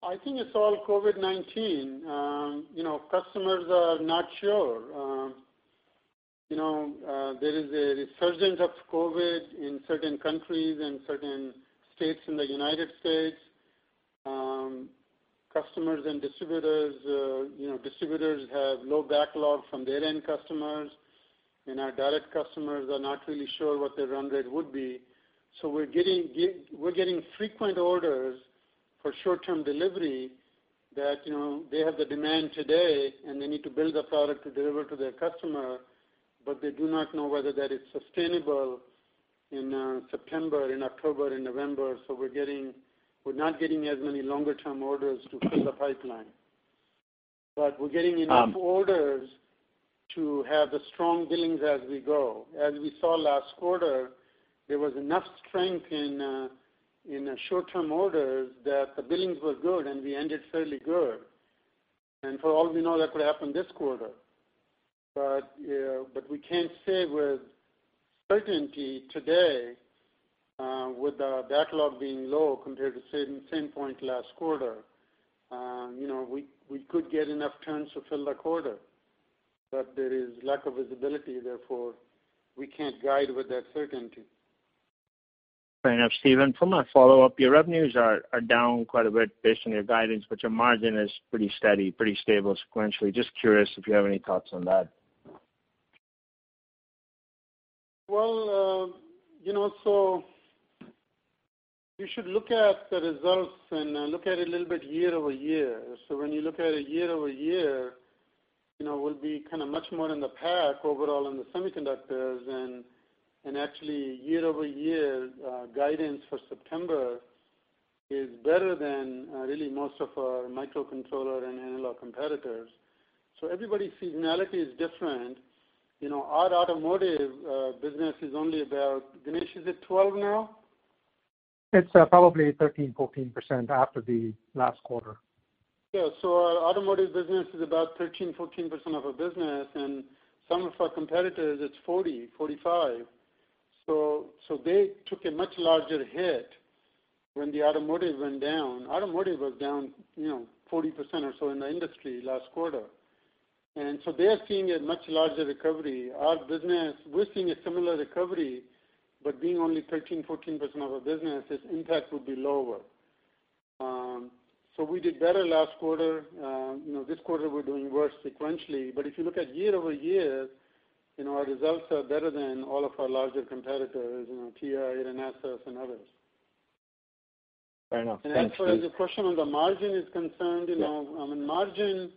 I think it's all COVID-19. Customers are not sure. There is a resurgence of COVID in certain countries and certain states in the United States. Customers and distributors. Distributors have low backlog from their end customers, and our direct customers are not really sure what their run rate would be. We're getting frequent orders for short-term delivery that they have the demand today, and they need to build a product to deliver to their customer, but they do not know whether that is sustainable in September, in October, and November. We're not getting as many longer-term orders to fill the pipeline. We're getting enough orders to have the strong billings as we go. As we saw last quarter, there was enough strength in short-term orders that the billings were good, and we ended fairly good. For all we know, that could happen this quarter. We can't say with certainty today, with our backlog being low compared to same point last quarter. We could get enough turns to fill the quarter. There is lack of visibility, therefore, we can't guide with that certainty. Fair enough, Steve. For my follow-up, your revenues are down quite a bit based on your guidance, but your margin is pretty steady, pretty stable sequentially. Just curious if you have any thoughts on that. Well, you should look at the results and look at it a little bit year-over-year. When you look at it year-over-year, we'll be kind of much more in the pack overall in the semiconductors and actually year-over-year, guidance for September is better than really most of our microcontroller and analog competitors. Everybody's seasonality is different. Our automotive business is only about Ganesh, is it 12% now? It's probably 13%, 14% after the last quarter. Yeah. Our automotive business is about 13%-14% of our business, and some of our competitors, it's 40%-45%. They took a much larger hit when the automotive went down. Automotive was down 40% or so in the industry last quarter. They are seeing a much larger recovery. Our business, we're seeing a similar recovery, but being only 13%-14% of our business, its impact would be lower. We did better last quarter. This quarter we're doing worse sequentially. If you look at year-over-year, our results are better than all of our larger competitors, TI, Renesas and others. Fair enough. Thanks, Steve. As far as the question on the margin is concerned, on the margin,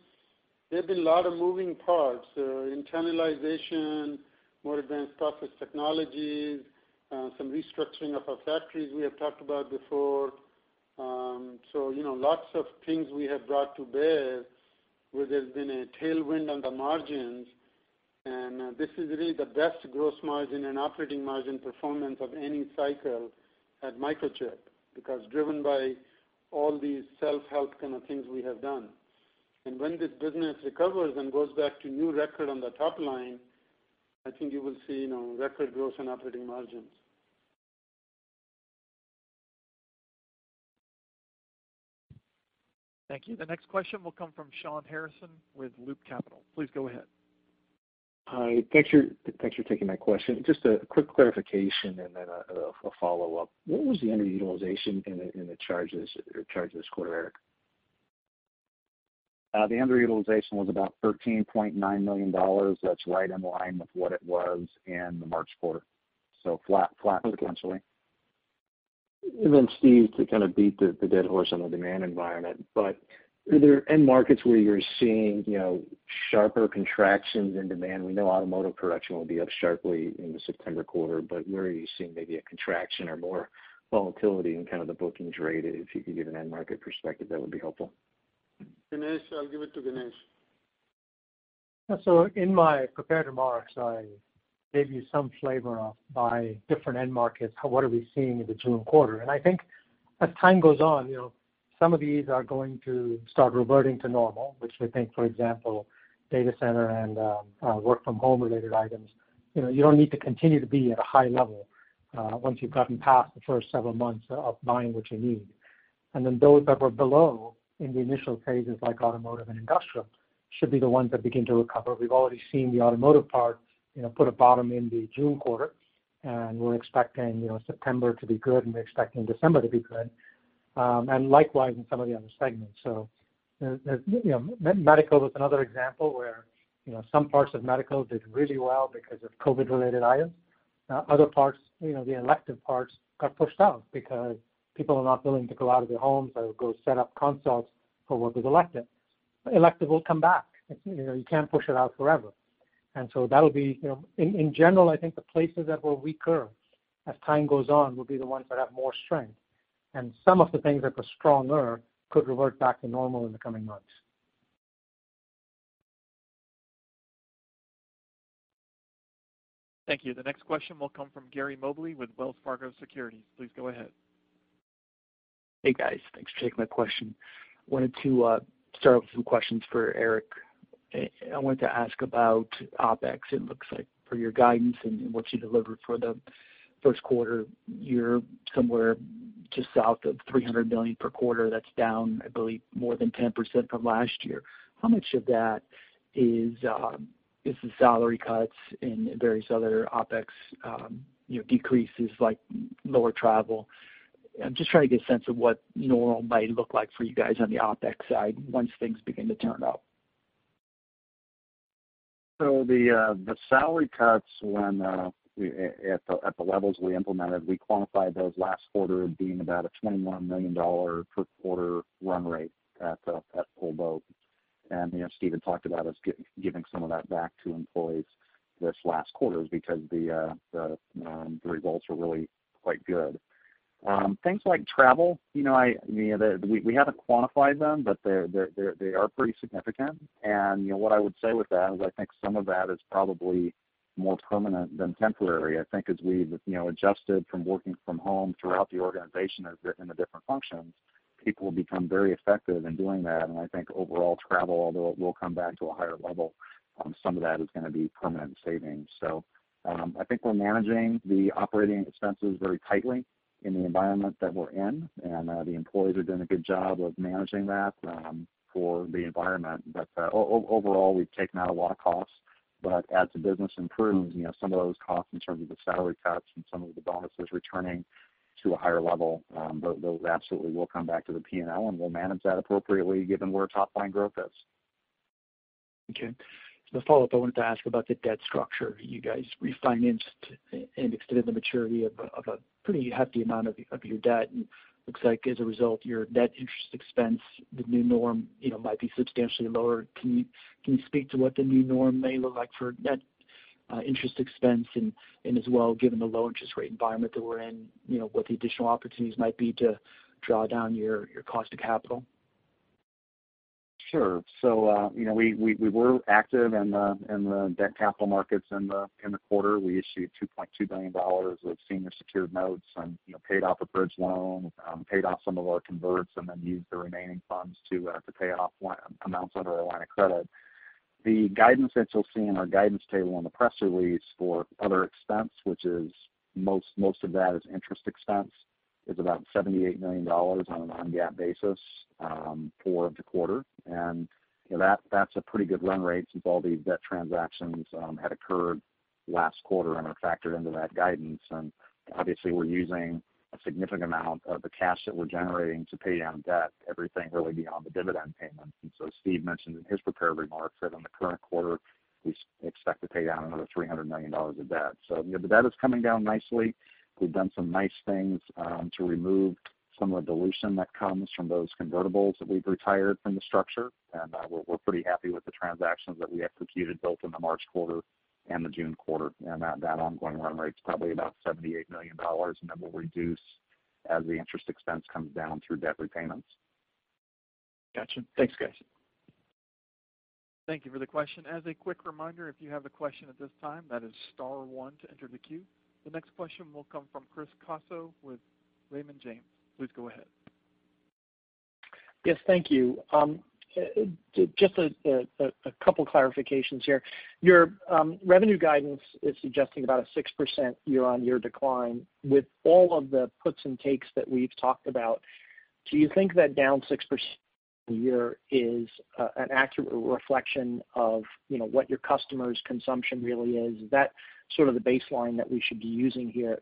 there have been a lot of moving parts. Internalization, more advanced process technologies, some restructuring of our factories we have talked about before. Lots of things we have brought to bear where there's been a tailwind on the margins. This is really the best gross margin and operating margin performance of any cycle at Microchip, because driven by all these self-help kind of things we have done. When this business recovers and goes back to new record on the top line, I think you will see record gross and operating margins. Thank you. The next question will come from Shawn Harrison with Loop Capital. Please go ahead. Hi. Thanks for taking my question. Just a quick clarification and then a follow-up. What was the underutilization in the charges this quarter, Eric? The underutilization was about $13.9 million. That's right in line with what it was in the March quarter, so flat sequentially. Steve, to kind of beat the dead horse on the demand environment, but are there end markets where you're seeing sharper contractions in demand? We know automotive production will be up sharply in the September quarter, but where are you seeing maybe a contraction or more volatility in kind of the bookings rate? If you could give an end market perspective, that would be helpful. Ganesh, I'll give it to Ganesh. In my prepared remarks, I gave you some flavor of, by different end markets, what are we seeing in the June quarter. I think as time goes on, some of these are going to start reverting to normal, which we think, for example, data center and work-from-home related items. You don't need to continue to be at a high level once you've gotten past the first several months of buying what you need. Then those that were below in the initial phases, like automotive and industrial, should be the ones that begin to recover. We've already seen the automotive part put a bottom in the June quarter, and we're expecting September to be good, and we're expecting December to be good. Likewise in some of the other segments. Medical is another example where some parts of medical did really well because of COVID-19 related items. Other parts, the elective parts, got pushed out because people are not willing to go out of their homes or go set up consults for what was elective. Elective will come back. You can't push it out forever. That would be, in general, I think the places that were weaker as time goes on, will be the ones that have more strength. Some of the things that were stronger could revert back to normal in the coming months. Thank you. The next question will come from Gary Mobley with Wells Fargo Securities. Please go ahead. Hey, guys. Thanks for taking my question. I wanted to start with some questions for Eric. I wanted to ask about OpEx. It looks like for your guidance and what you delivered for the first quarter, you're somewhere just south of $300 million per quarter. That's down, I believe, more than 10% from last year. How much of that is the salary cuts and various other OpEx decreases, like lower travel? I'm just trying to get a sense of what normal might look like for you guys on the OpEx side once things begin to turn up. The salary cuts at the levels we implemented, we quantified those last quarter being about a $21 million per quarter run rate at full boat. Steve talked about us giving some of that back to employees this last quarter because the results were really quite good. Things like travel, we haven't quantified them, but they are pretty significant. What I would say with that is I think some of that is probably more permanent than temporary. I think as we've adjusted from working from home throughout the organization in the different functions, people have become very effective in doing that. I think overall travel, although it will come back to a higher level, some of that is going to be permanent savings. I think we're managing the operating expenses very tightly in the environment that we're in, and the employees are doing a good job of managing that for the environment. Overall, we've taken out a lot of costs. As the business improves, some of those costs in terms of the salary cuts and some of the bonuses returning to a higher level, those absolutely will come back to the P&L, and we'll manage that appropriately given where top line growth is. Okay. As a follow-up, I wanted to ask about the debt structure. You guys refinanced and extended the maturity of a pretty hefty amount of your debt, and looks like as a result, your net interest expense, the new norm might be substantially lower. Can you speak to what the new norm may look like for net interest expense and as well, given the low interest rate environment that we're in, what the additional opportunities might be to draw down your cost of capital? Sure. We were active in the debt capital markets in the quarter. We issued $2.2 billion of senior secured notes and paid off a bridge loan, paid off some of our converts, and then used the remaining funds to pay off amounts under our line of credit. The guidance that you'll see in our guidance table in the press release for other expense, which is most of that is interest expense, is about $78 million on a non-GAAP basis for the quarter. That's a pretty good run rate since all these debt transactions had occurred last quarter and are factored into that guidance. Obviously, we're using a significant amount of the cash that we're generating to pay down debt, everything really beyond the dividend payments. Steve mentioned in his prepared remarks that in the current quarter, we expect to pay down another $300 million of debt. The debt is coming down nicely. We've done some nice things to remove some of the dilution that comes from those convertibles that we've retired from the structure, and we're pretty happy with the transactions that we executed both in the March quarter and the June quarter. That ongoing run rate's probably about $78 million, and that will reduce as the interest expense comes down through debt repayments. Gotcha. Thanks, guys. Thank you for the question. As a quick reminder, if you have a question at this time, that is star one to enter the queue. The next question will come from Chris Caso with Raymond James. Please go ahead. Yes, thank you. Just a couple clarifications here. Your revenue guidance is suggesting about a 6% year-on-year decline. With all of the puts and takes that we've talked about, do you think that down 6% year is an accurate reflection of what your customers' consumption really is? Is that sort of the baseline that we should be using here?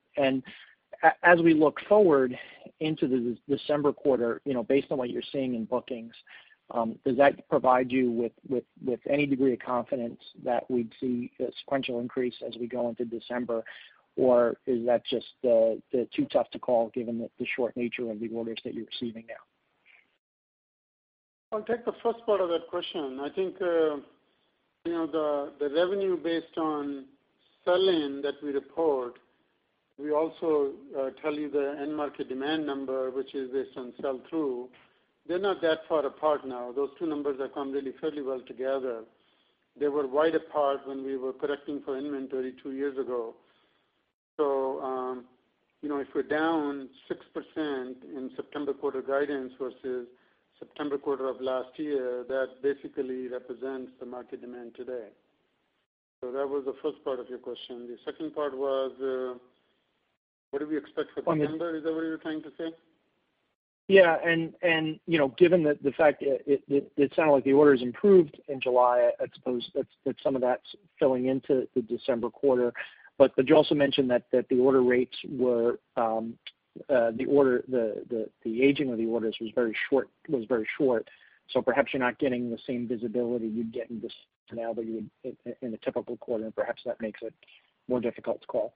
As we look forward into the December quarter, based on what you're seeing in bookings, does that provide you with any degree of confidence that we'd see a sequential increase as we go into December, or is that just too tough to call given the short nature of the orders that you're receiving now? I'll take the first part of that question. The revenue based on sell-in that we report, we also tell you the end market demand number, which is based on sell-through. They're not that far apart now. Those two numbers have come really fairly well together. They were wide apart when we were correcting for inventory two years ago. If we're down 6% in September quarter guidance versus September quarter of last year, that basically represents the market demand today. That was the first part of your question. The second part was, what do we expect for December? Is that what you're trying to say? Yeah, given that the fact it sounded like the orders improved in July, I suppose that some of that's filling into the December quarter. You also mentioned that the aging of the orders was very short. Perhaps you're not getting the same visibility you'd get in the seasonality in a typical quarter, and perhaps that makes it more difficult to call.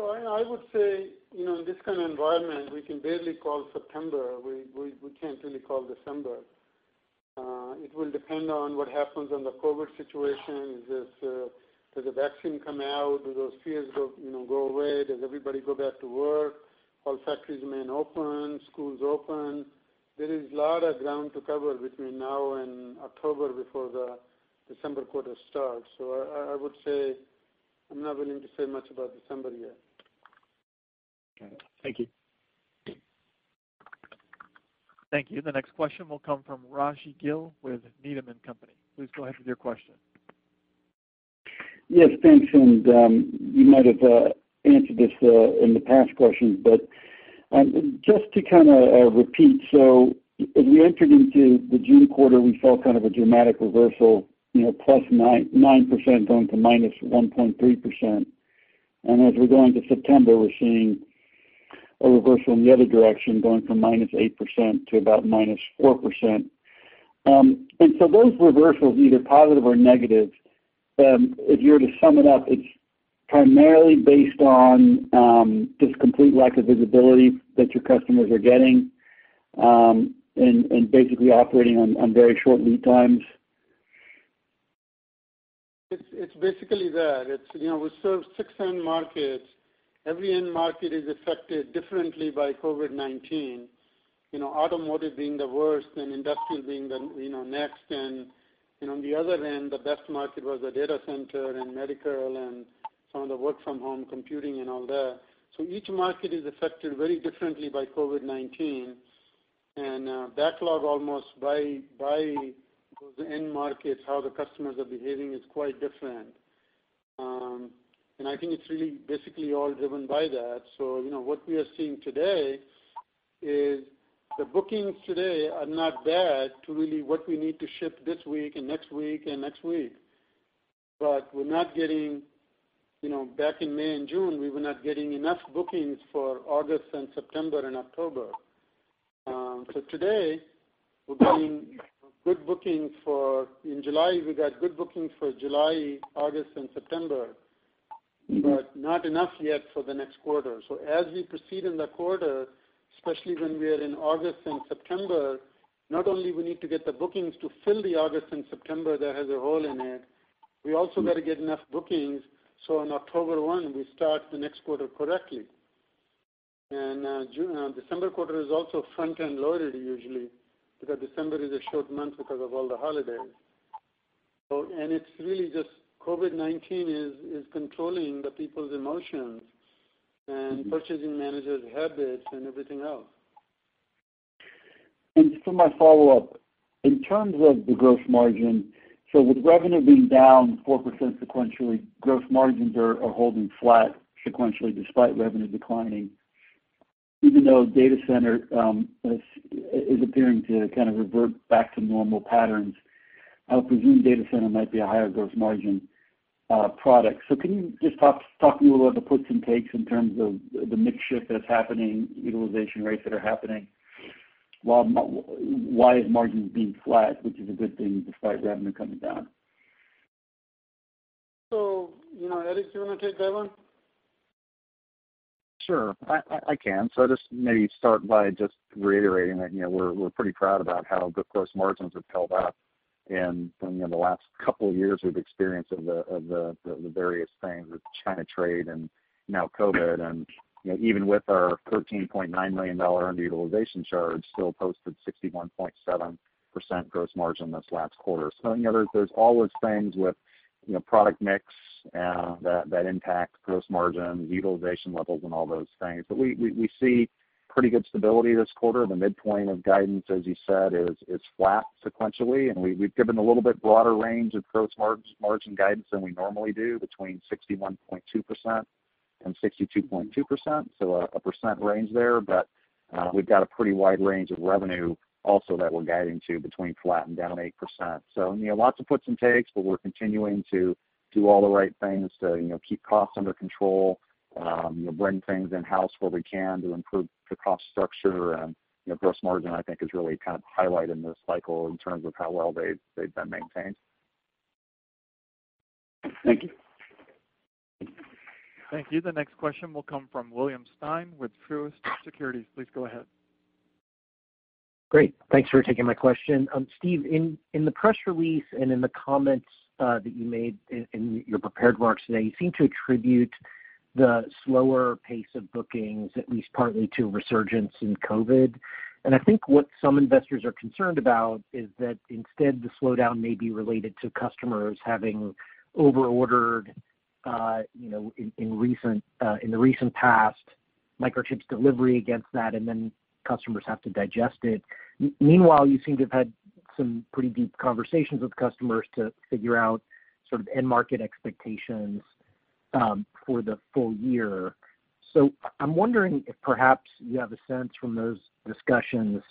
I would say, in this kind of environment, we can barely call September. We can't really call December. It will depend on what happens on the COVID situation. Does a vaccine come out? Do those fears go away? Does everybody go back to work? All factories remain open, schools open. There is a lot of ground to cover between now and October before the December quarter starts. I would say, I'm not willing to say much about December yet. All right. Thank you. Thank you. The next question will come from Raji Gill with Needham & Company. Please go ahead with your question. Yes, thanks. You might have answered this in the past questions, just to kind of repeat. As we entered into the June quarter, we saw kind of a dramatic reversal, +9% going to -1.3%. As we go into September, we're seeing a reversal in the other direction, going from -8% to about -4%. Those reversals, either positive or negative, if you were to sum it up, it's primarily based on just complete lack of visibility that your customers are getting, and basically operating on very short lead times. It's basically that. We serve six end markets. Every end market is affected differently by COVID-19. Automotive being the worst, industrial being the next, on the other end, the best market was the data center and medical and some of the work-from-home computing and all that. Each market is affected very differently by COVID-19, and backlog almost by those end markets, how the customers are behaving is quite different. I think it's really basically all driven by that. What we are seeing today is the bookings today are not bad to really what we need to ship this week and next week and next week. Back in May and June, we were not getting enough bookings for August and September and October. Today, in July, we got good bookings for July, August, and September, but not enough yet for the next quarter. As we proceed in the quarter, especially when we are in August and September, not only we need to get the bookings to fill the August and September that has a hole in it, we also got to get enough bookings, so on October 1, we start the next quarter correctly. December quarter is also front-end loaded usually, because December is a short month because of all the holidays. It's really just COVID-19 is controlling the people's emotions and purchasing managers' habits and everything else. Just for my follow-up, in terms of the gross margin, so with revenue being down 4% sequentially, gross margins are holding flat sequentially despite revenue declining. Even though data center is appearing to kind of revert back to normal patterns, I would presume data center might be a higher gross margin product. Can you just talk to me a little about the puts and takes in terms of the mix shift that's happening, utilization rates that are happening? Why is margin being flat, which is a good thing, despite revenue coming down? Eric, do you want to take that one? Sure, I can. I'll just maybe start by just reiterating that we're pretty proud about how the gross margins have held up. In the last couple of years, we've experienced the various things with China trade and now COVID. Even with our $13.9 million underutilization charge, still posted 61.7% gross margin this last quarter. There's always things with product mix that impact gross margin, utilization levels, and all those things. We see pretty good stability this quarter. The midpoint of guidance, as you said, is flat sequentially, and we've given a little bit broader range of gross margin guidance than we normally do, between 61.2% and 62.2%, so a percent range there. We've got a pretty wide range of revenue also that we're guiding to, between flat and down 8%. Lots of puts and takes, but we're continuing to do all the right things to keep costs under control, bring things in-house where we can to improve the cost structure. Gross margin, I think, is really kind of highlighting this cycle in terms of how well they've been maintained. Thank you. Thank you. The next question will come from William Stein with Truist Securities. Please go ahead. Great. Thanks for taking my question. Steve, in the press release and in the comments that you made in your prepared remarks today, you seem to attribute the slower pace of bookings, at least partly to a resurgence in COVID. I think what some investors are concerned about is that instead, the slowdown may be related to customers having over-ordered in the recent past Microchip's delivery against that, and then customers have to digest it. Meanwhile, you seem to have had some pretty deep conversations with customers to figure out sort of end-market expectations for the full year. I'm wondering if perhaps you have a sense from those discussions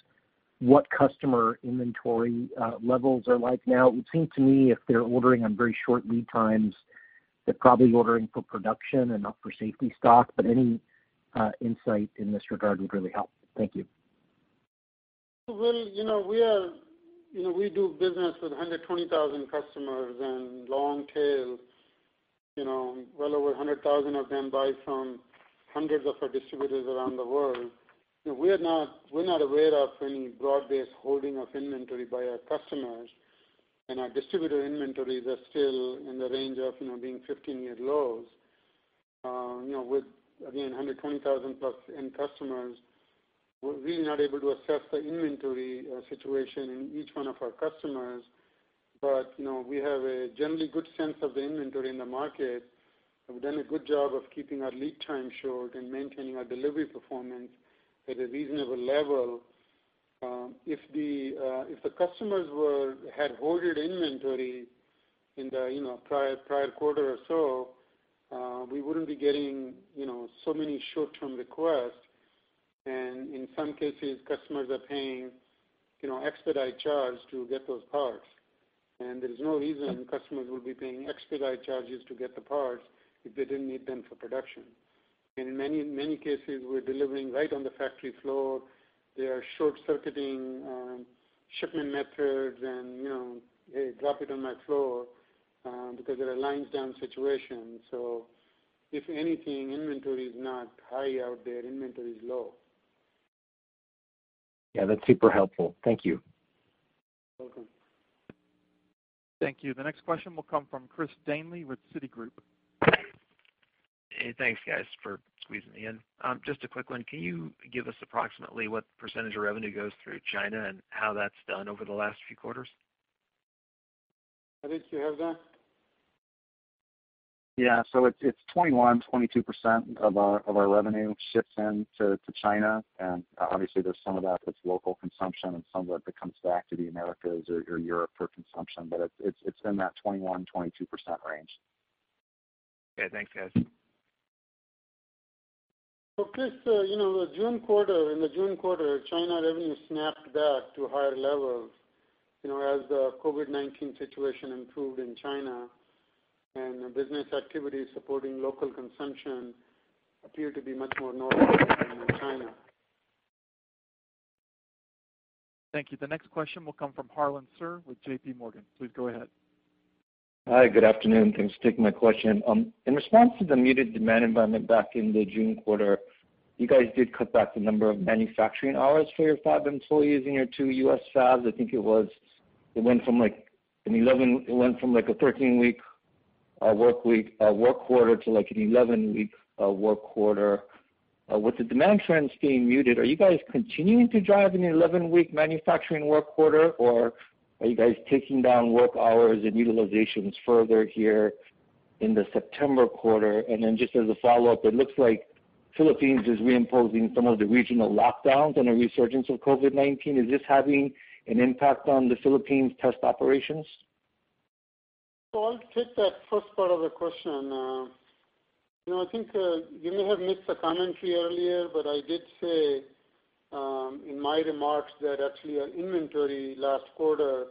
what customer inventory levels are like now. It would seem to me, if they're ordering on very short lead times, they're probably ordering for production and not for safety stock. Any insight in this regard would really help. Thank you. Well, we do business with 120,000 customers and long tail. Well over 100,000 of them buy from hundreds of our distributors around the world. We're not aware of any broad-based holding of inventory by our customers, and our distributor inventories are still in the range of being 15-year lows. With, again, 120,000+ end customers, we're really not able to assess the inventory situation in each one of our customers. We have a generally good sense of the inventory in the market, have done a good job of keeping our lead time short and maintaining our delivery performance at a reasonable level. If the customers had hoarded inventory in the prior quarter or so, we wouldn't be getting so many short-term requests, and in some cases, customers are paying expedite charge to get those parts. There's no reason customers would be paying expedite charges to get the parts if they didn't need them for production. In many cases, we're delivering right on the factory floor. They are short-circuiting shipment methods and drop it on my floor because there are lines-down situation. If anything, inventory is not high out there, inventory is low. Yeah, that's super helpful. Thank you. Welcome. Thank you. The next question will come from Chris Danely with Citigroup. Hey, thanks guys for squeezing me in. Just a quick one. Can you give us approximately what percentage of revenue goes through China and how that's done over the last few quarters? Eric, do you have that? It's 21%-22% of our revenue ships into China, and obviously there's some of that that's local consumption and some of it that comes back to the Americas or Europe for consumption. It's in that 21%-22% range. Okay, thanks guys. Chris, in the June quarter, China revenue snapped back to higher levels as the COVID-19 situation improved in China, and business activities supporting local consumption appear to be much more normal in China. Thank you. The next question will come from Harlan Sur with JPMorgan. Please go ahead. Hi, good afternoon. Thanks for taking my question. In response to the muted demand environment back in the June quarter, you guys did cut back the number of manufacturing hours for your fab employees in your two U.S. fabs. I think it went from a 13-week work quarter to an 11-week work quarter. With the demand trends staying muted, are you guys continuing to drive an 11-week manufacturing work quarter, or are you guys taking down work hours and utilizations further here in the September quarter? Just as a follow-up, it looks like Philippines is reimposing some of the regional lockdowns and a resurgence of COVID-19. Is this having an impact on the Philippines test operations? I'll take that first part of the question. I think you may have missed the commentary earlier, but I did say in my remarks that actually our inventory last quarter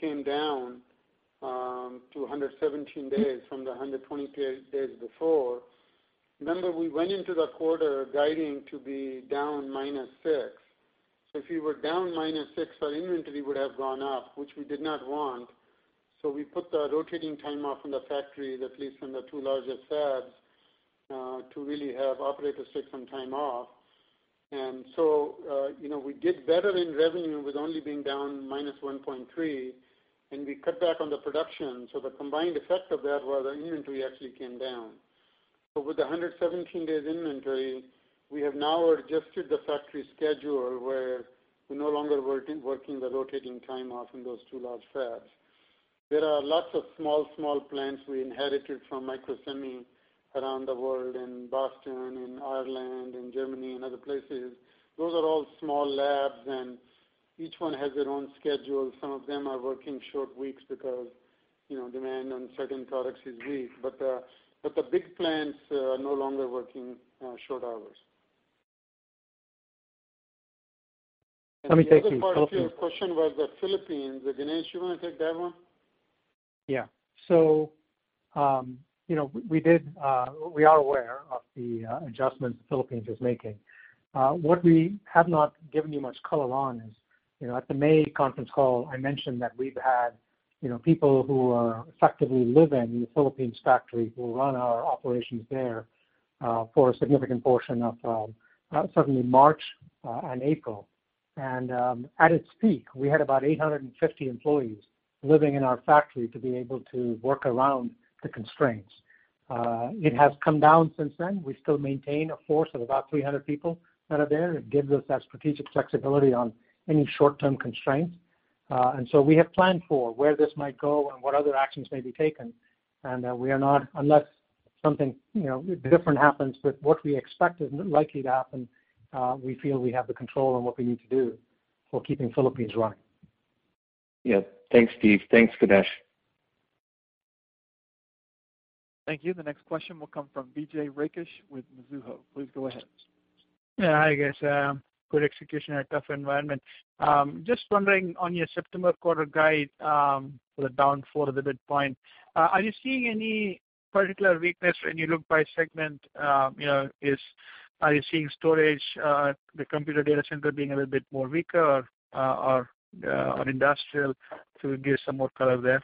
came down to 117 days from the 120 days before. Remember, we went into the quarter guiding to be down -6%. If we were down -6%, our inventory would have gone up, which we did not see. We put the rotating time off in the factories, at least in the two largest fabs, to really have operators take some time off. We did better in revenue with only being down -1.3%, and we cut back on the production. The combined effect of that was our inventory actually came down. With 117 days inventory, we have now adjusted the factory schedule where we're no longer working the rotating time off in those two large fabs. There are lots of small plants we inherited from Microsemi around the world, in Boston, in Ireland, in Germany, and other places. Those are all small labs, and each one has their own schedule. Some of them are working short weeks because demand on certain products is weak. The big plants are no longer working short hours. Let me take- The other part of your question was the Philippines. Ganesh, you want to take that one? Yeah. We are aware of the adjustments the Philippines is making. What we have not given you much color on is, at the May conference call, I mentioned that we've had people who are effectively living in the Philippines factory who run our operations there, for a significant portion of certainly March and April. At its peak, we had about 850 employees living in our factory to be able to work around the constraints. It has come down since then. We still maintain a force of about 300 people that are there. It gives us that strategic flexibility on any short-term constraints. We have planned for where this might go and what other actions may be taken. We are not, unless something different happens with what we expect is likely to happen, we feel we have the control on what we need to do for keeping Philippines running. Yeah. Thanks, Steve. Thanks, Ganesh. Thank you. The next question will come from Vijay Rakesh with Mizuho. Please go ahead. Yeah. Hi, guys. Good execution in a tough environment. Just wondering on your September quarter guide, the down 4% of the midpoint, are you seeing any particular weakness when you look by segment? Are you seeing storage, the computer data center being a little bit weaker, or industrial to give some more color there?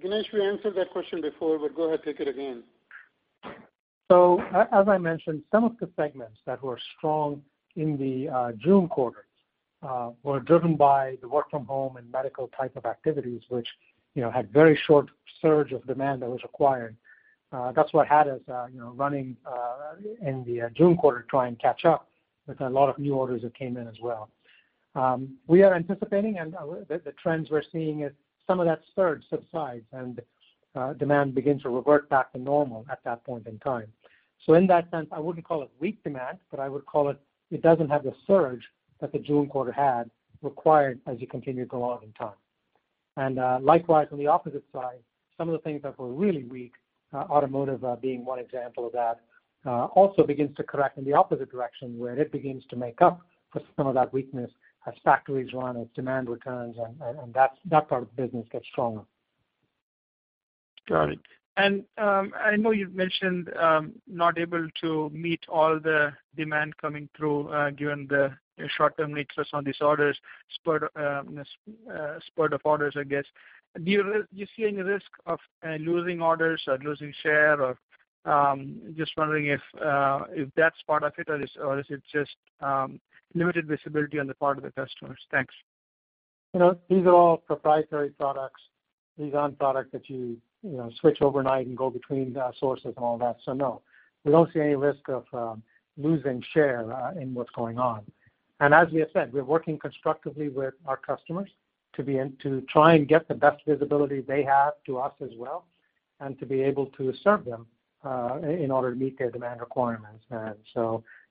Ganesh, we answered that question before, but go ahead, take it again. As I mentioned, some of the segments that were strong in the June quarter were driven by the work from home and medical type of activities, which had very short surge of demand that was acquired. That is what had us running in the June quarter trying to catch up with a lot of new orders that came in as well. We are anticipating, and the trends we are seeing, as some of that surge subsides and demand begins to revert back to normal at that point in time. In that sense, I wouldn't call it weak demand, but I would call it doesn't have the surge that the June quarter had required as you continue to go out in time. Likewise, on the opposite side, some of the things that were really weak, automotive being one example of that, also begins to correct in the opposite direction, where it begins to make up for some of that weakness as factories run, as demand returns and that part of the business gets stronger. Got it. I know you've mentioned, not able to meet all the demand coming through, given the short-term nature on these orders, spurt of orders, I guess. Do you see any risk of losing orders or losing share or just wondering if that's part of it or is it just limited visibility on the part of the customers? Thanks. These are all proprietary products. These aren't products that you switch overnight and go between sources and all that. No, we don't see any risk of losing share in what's going on. As we have said, we're working constructively with our customers to try and get the best visibility they have to us as well, and to be able to serve them in order to meet their demand requirements.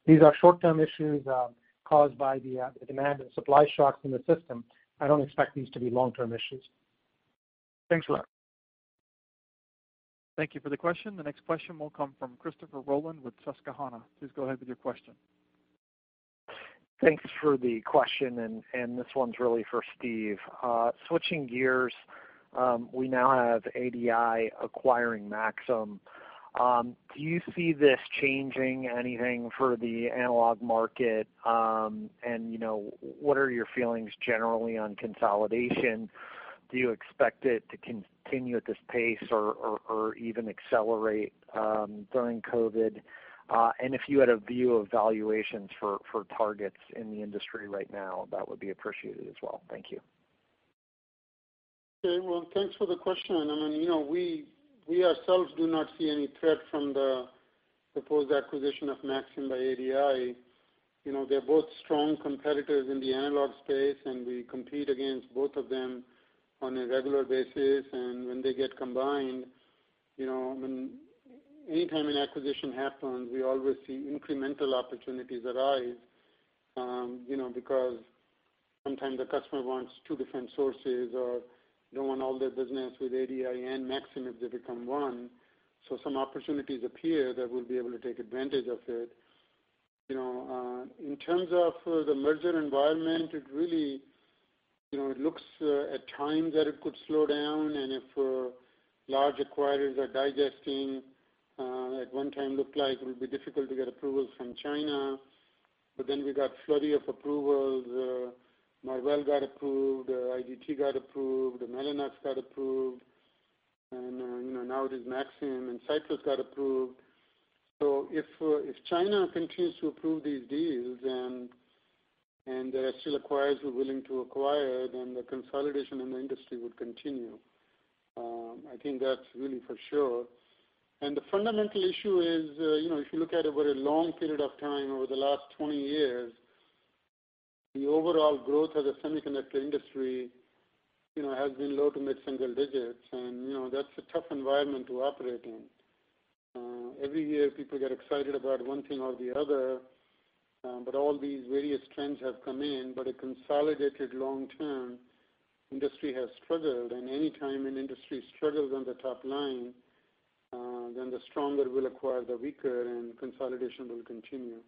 These are short-term issues, caused by the demand and supply shocks in the system. I don't expect these to be long-term issues. Thanks a lot. Thank you for the question. The next question will come from Christopher Rolland with Susquehanna. Please go ahead with your question. Thanks for the question. This one's really for Steve. Switching gears, we now have ADI acquiring Maxim. Do you see this changing anything for the analog market? What are your feelings generally on consolidation? Do you expect it to continue at this pace or even accelerate during COVID? If you had a view of valuations for targets in the industry right now, that would be appreciated as well. Thank you. Okay. Well, thanks for the question. We ourselves do not see any threat from the proposed acquisition of Maxim by ADI. They're both strong competitors in the analog space, and we compete against both of them on a regular basis. When they get combined, anytime an acquisition happens, we always see incremental opportunities arise, because sometimes the customer wants two different sources or don't want all their business with ADI and Maxim if they become one. Some opportunities appear that we'll be able to take advantage of it. In terms of the merger environment, it looks at times that it could slow down and if large acquirers are digesting, at one time looked like it would be difficult to get approvals from China. We got a flurry of approvals. Marvell got approved, IDT got approved, Mellanox got approved. Now it is Maxim and Cypress got approved. If China continues to approve these deals and still acquirers who are willing to acquire, then the consolidation in the industry would continue. I think that's really for sure. The fundamental issue is, if you look at it over a long period of time, over the last 20 years, the overall growth of the semiconductor industry has been low to mid-single digits. That's a tough environment to operate in. Every year, people get excited about one thing or the other, but all these various trends have come in. A consolidated long-term industry has struggled. Any time an industry struggles on the top line, the stronger will acquire the weaker, and consolidation will continue.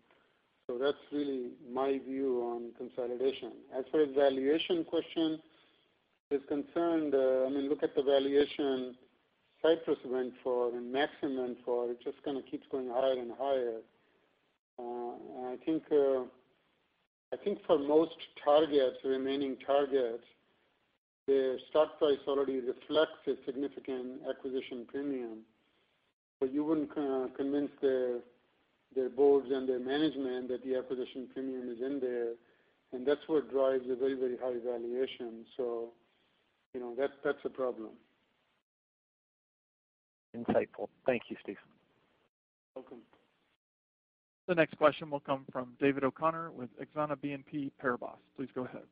That's really my view on consolidation. As far as valuation question is concerned, look at the valuation Cypress went for and Maxim went for. It just kind of keeps going higher and higher. I think for most targets, remaining targets, their stock price already reflects a significant acquisition premium. You wouldn't convince their boards and their management that the acquisition premium is in there, and that's what drives a very, very high valuation. That's a problem. Insightful. Thank you, Steve. Welcome. The next question will come from David O'Connor with Exane BNP Paribas. Please go ahead.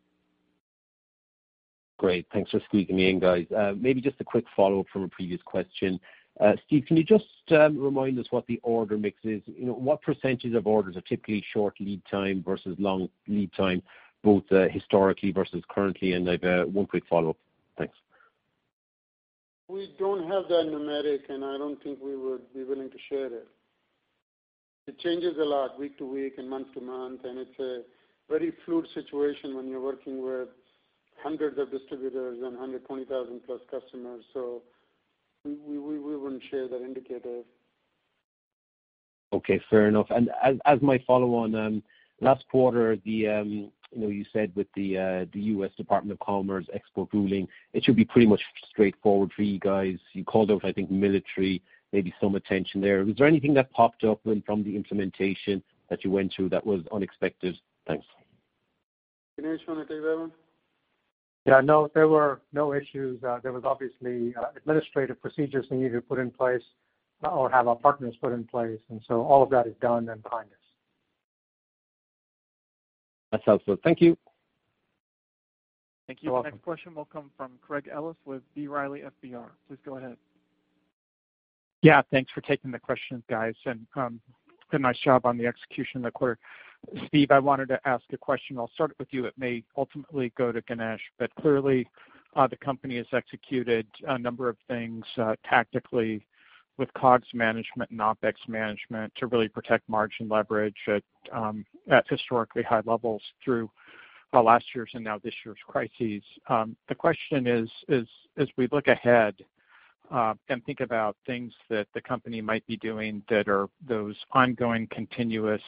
Great. Thanks for squeezing me in, guys. Maybe just a quick follow-up from a previous question. Steve, can you just remind us what the order mix is? What percentage of orders are typically short lead time versus long lead time, both historically versus currently? I've one quick follow-up. Thanks. We don't have that numeric, and I don't think we would be willing to share that. It changes a lot week to week and month to month, and it's a very fluid situation when you're working with hundreds of distributors and 120,000+ customers. We wouldn't share that indicator. Okay, fair enough. As my follow-on, last quarter, you said with the U.S. Department of Commerce export ruling, it should be pretty much straightforward for you guys. You called out, I think, military, maybe some attention there. Was there anything that popped up from the implementation that you went through that was unexpected? Thanks. Ganesh, want to take that one? Yeah, no. There were no issues. There was obviously administrative procedures we needed to put in place or have our partners put in place, all of that is done and behind us. That's helpful. Thank you. You're welcome. Thank you. Next question will come from Craig Ellis with B. Riley FBR. Please go ahead. Yeah. Thanks for taking the questions, guys, and nice job on the execution of the quarter. Steve, I wanted to ask a question. I'll start with you. It may ultimately go to Ganesh. Clearly, the company has executed a number of things tactically with COGS management and OpEx management to really protect margin leverage at historically high levels through last year's and now this year's crises. The question is: as we look ahead and think about things that the company might be doing that are those ongoing continuous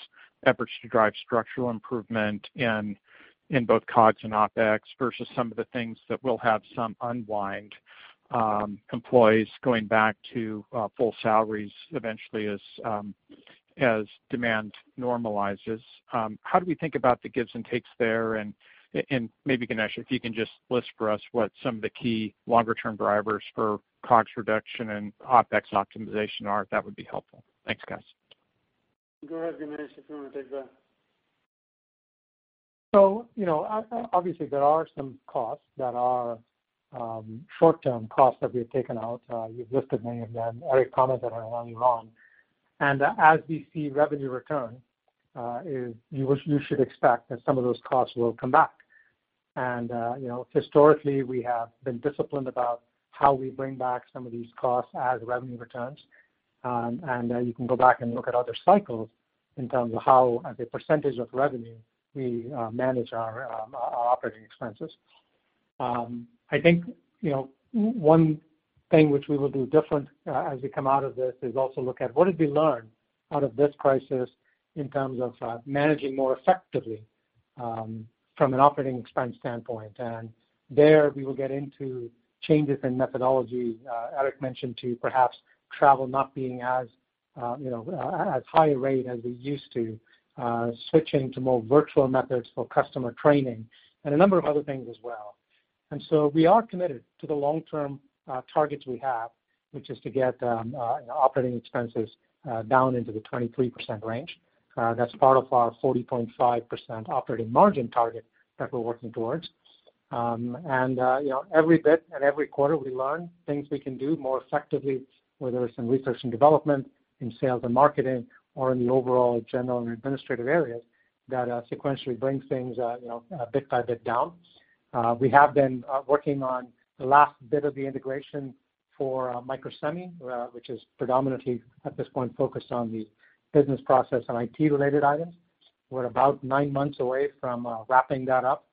efforts to drive structural improvement in both COGS and OpEx versus some of the things that will have some unwind, employees going back to full salaries eventually as demand normalizes, how do we think about the gives-and-takes there? Maybe, Ganesh, if you can just list for us what some of the key longer-term drivers for COGS reduction and OpEx optimization are, that would be helpful. Thanks, guys. Go ahead, Ganesh, if you want to take that. Obviously, there are some costs that are short-term costs that we have taken out. You've listed many of them. Eric commented on many of them. As we see revenue return, you should expect that some of those costs will come back. Historically, we have been disciplined about how we bring back some of these costs as revenue returns. You can go back and look at other cycles in terms of how, as a percentage of revenue, we manage our operating expenses. I think one thing which we will do different as we come out of this is also look at what did we learn out of this crisis in terms of managing more effectively from an operating expense standpoint. There we will get into changes in methodology. Eric mentioned too, perhaps travel not being as high a rate as it used to, switching to more virtual methods for customer training, and a number of other things as well. We are committed to the long-term targets we have, which is to get operating expenses down into the 23% range. That's part of our 40.5% operating margin target that we're working towards. Every bit and every quarter, we learn things we can do more effectively, whether it's in research and development, in sales and marketing, or in the overall general and administrative areas that sequentially brings things bit by bit down. We have been working on the last bit of the integration for Microsemi, which is predominantly at this point focused on the business process and IT-related items. We're about nine months away from wrapping that up.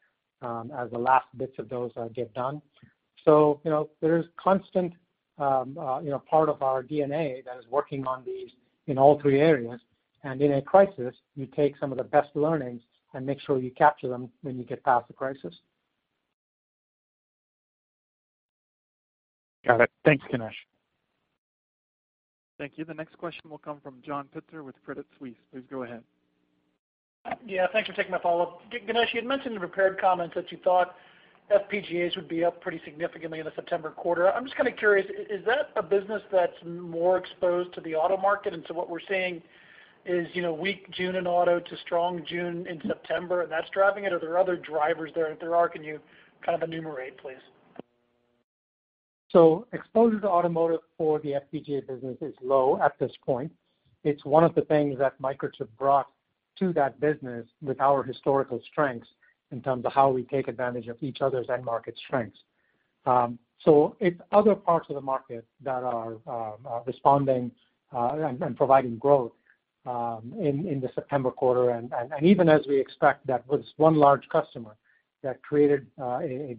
As the last bits of those get done. There's constant part of our DNA that is working on these in all three areas. In a crisis, you take some of the best learnings and make sure you capture them when you get past the crisis. Got it. Thanks, Ganesh. Thank you. The next question will come from John Pitzer with Credit Suisse. Please go ahead. Yeah, thanks for taking my follow-up. Ganesh, you had mentioned in prepared comments that you thought FPGAs would be up pretty significantly in the September quarter. I'm just kind of curious, is that a business that's more exposed to the auto market? What we're seeing is weak June in auto to strong June in September, and that's driving it, or are there other drivers there? If there are, can you kind of enumerate, please? Exposure to automotive for the FPGA business is low at this point. It's one of the things that Microchip brought to that business with our historical strengths in terms of how we take advantage of each other's end market strengths. It's other parts of the market that are responding and providing growth in the September quarter. Even as we expect that with one large customer that created a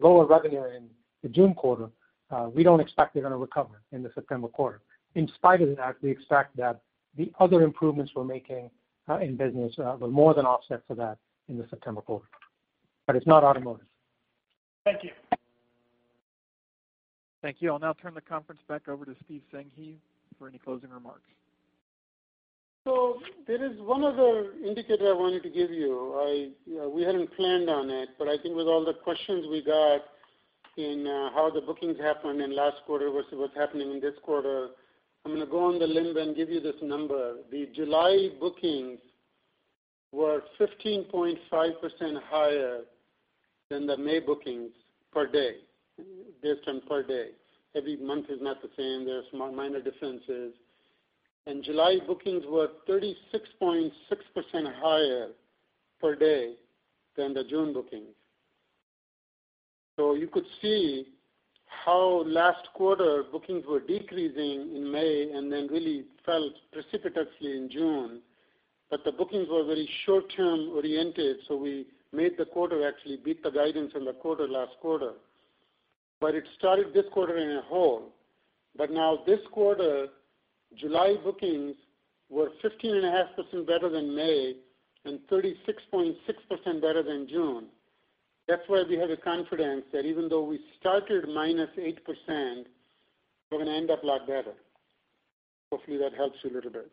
lower revenue in the June quarter, we don't expect they're going to recover in the September quarter. In spite of that, we expect that the other improvements we're making in business will more than offset for that in the September quarter. It's not automotive. Thank you. Thank you. I'll now turn the conference back over to Steve Sanghi for any closing remarks. There is one other indicator I wanted to give you. We hadn't planned on it, but I think with all the questions we got in how the bookings happened in last quarter versus what's happening in this quarter, I'm going to go on the limb and give you this number. The July bookings were 15.5% higher than the May bookings per day. This time per day. Every month is not the same. There are minor differences. July bookings were 36.6% higher per day than the June bookings. You could see how last quarter bookings were decreasing in May and then really fell precipitously in June. The bookings were very short-term oriented, so we made the quarter, actually beat the guidance on the quarter last quarter. It started this quarter in a hole. Now this quarter, July bookings were 15.5% better than May and 36.6% better than June. That's why we have the confidence that even though we started -8%, we're going to end up a lot better. Hopefully, that helps you a little bit.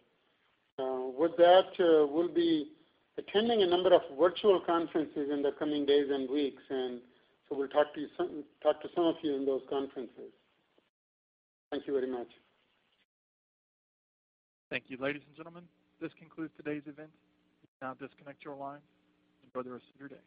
With that, we'll be attending a number of virtual conferences in the coming days and weeks, and so we'll talk to some of you in those conferences. Thank you very much. Thank you. Ladies and gentlemen, this concludes today's event. You can now disconnect your lines. Enjoy the rest of your day.